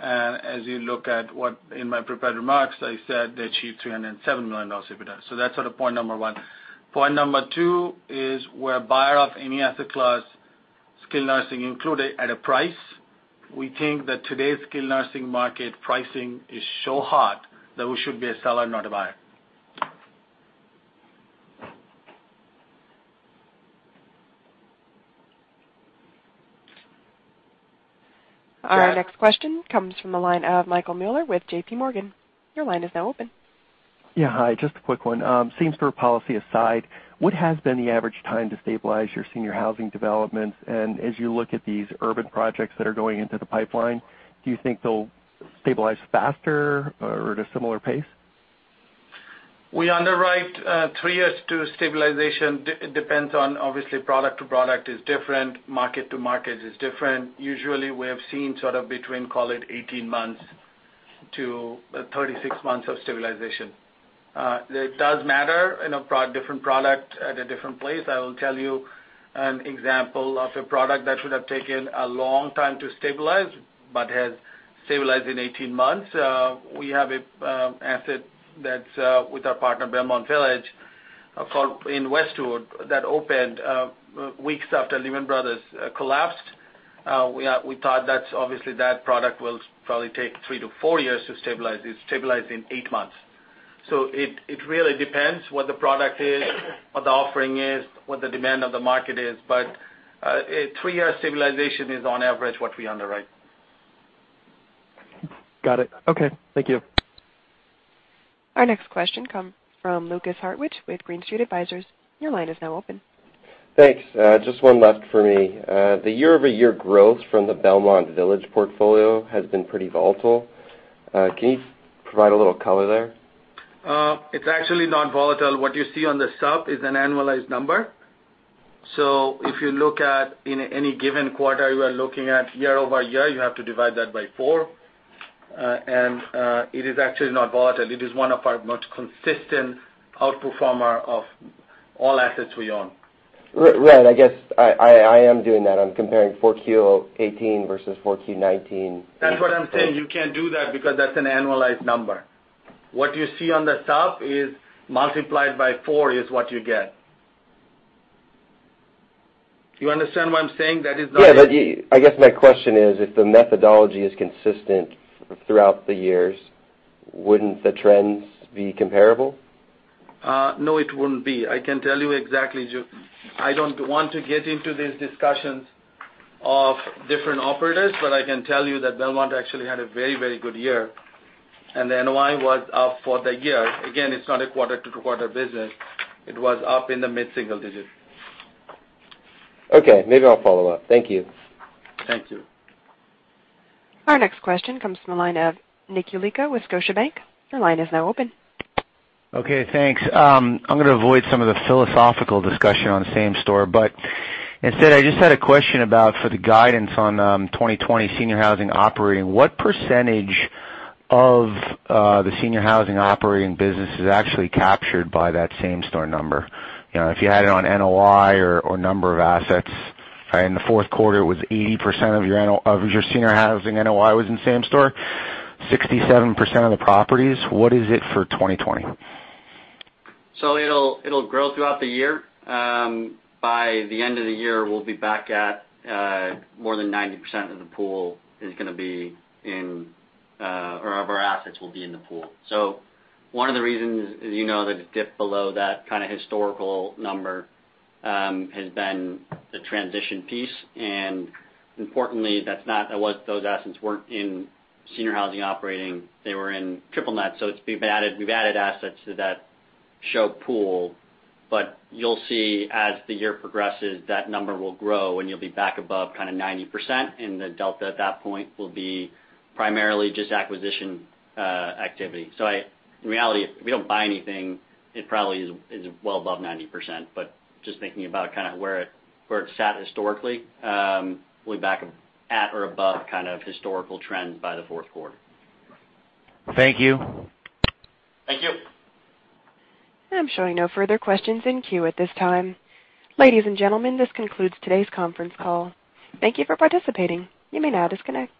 As you look at what in my prepared remarks, I said they achieved $307 million EBITDAR. That's point number one. Point number two is we're a buyer of any asset class, skilled nursing included, at a price. We think that today's skilled nursing market pricing is so hot that we should be a seller, not a buyer.
Our next question comes from the line of Michael Mueller with JPMorgan. Your line is now open.
Yeah. Hi. Just a quick one. Same store policy aside, what has been the average time to stabilize your senior housing developments? As you look at these urban projects that are going into the pipeline, do you think they'll stabilize faster or at a similar pace?
We underwrite three years to stabilization. It depends on, obviously, product to product is different, market to market is different. Usually, we have seen between, call it, 18 months to 36 months of stabilization. It does matter in a different product at a different place. I will tell you an example of a product that should have taken a long time to stabilize but has stabilized in 18 months. We have an asset that's with our partner, Belmont Village, in Westwood, that opened weeks after Lehman Brothers collapsed. We thought obviously that product will probably take three to four years to stabilize. It stabilized in eight months. It really depends what the product is, what the offering is, what the demand of the market is. A three-year stabilization is on average what we underwrite.
Got it. Okay. Thank you.
Our next question comes from Lukas Hartwich with Green Street Advisors. Your line is now open.
Thanks. Just one left for me. The year-over-year growth from the Belmont Village portfolio has been pretty volatile. Can you provide a little color there?
It's actually not volatile. What you see on the top is an annualized number. If you look at any given quarter, you are looking at year-over-year, you have to divide that by four. It is actually not volatile. It is one of our most consistent outperformer of all assets we own.
Right. I guess I am doing that. I'm comparing 4Q 2018 versus 4Q 2019.
That's what I'm saying. You can't do that because that's an annualized number. What you see on the top is multiplied by four is what you get. Do you understand what I'm saying?
Yeah, I guess my question is, if the methodology is consistent throughout the years, wouldn't the trends be comparable?
No, it wouldn't be. I can tell you exactly, I don't want to get into these discussions of different operators, but I can tell you that Belmont actually had a very good year. The NOI was up for the year. Again, it's not a quarter-to-quarter business. It was up in the mid-single digit.
Okay, maybe I'll follow up. Thank you.
Thank you.
Our next question comes from the line of Nick Yulico with Scotiabank. Your line is now open.
Okay, thanks. I'm going to avoid some of the philosophical discussion on same store, but instead, I just had a question about for the guidance on 2020 senior housing operating, what percentage of the senior housing operating business is actually captured by that same-store number? If you had it on NOI or number of assets. In the fourth quarter, it was 80% of your senior housing NOI was in same store, 67% of the properties. What is it for 2020?
It'll grow throughout the year. By the end of the year, we'll be back at more than 90% of our assets will be in the pool. One of the reasons, as you know, that it dipped below that kind of historical number, has been the transition piece, and importantly, those assets weren't in senior housing operating. They were in triple net. We've added assets to that SHOP pool, but you'll see as the year progresses, that number will grow, and you'll be back above kind of 90%, and the delta at that point will be primarily just acquisition activity. In reality, if we don't buy anything, it probably is well above 90%, but just thinking about kind of where it sat historically, we'll be back at or above kind of historical trends by the fourth quarter.
Thank you.
Thank you.
I'm showing no further questions in queue at this time. Ladies and gentlemen, this concludes today's conference call. Thank you for participating. You may now disconnect.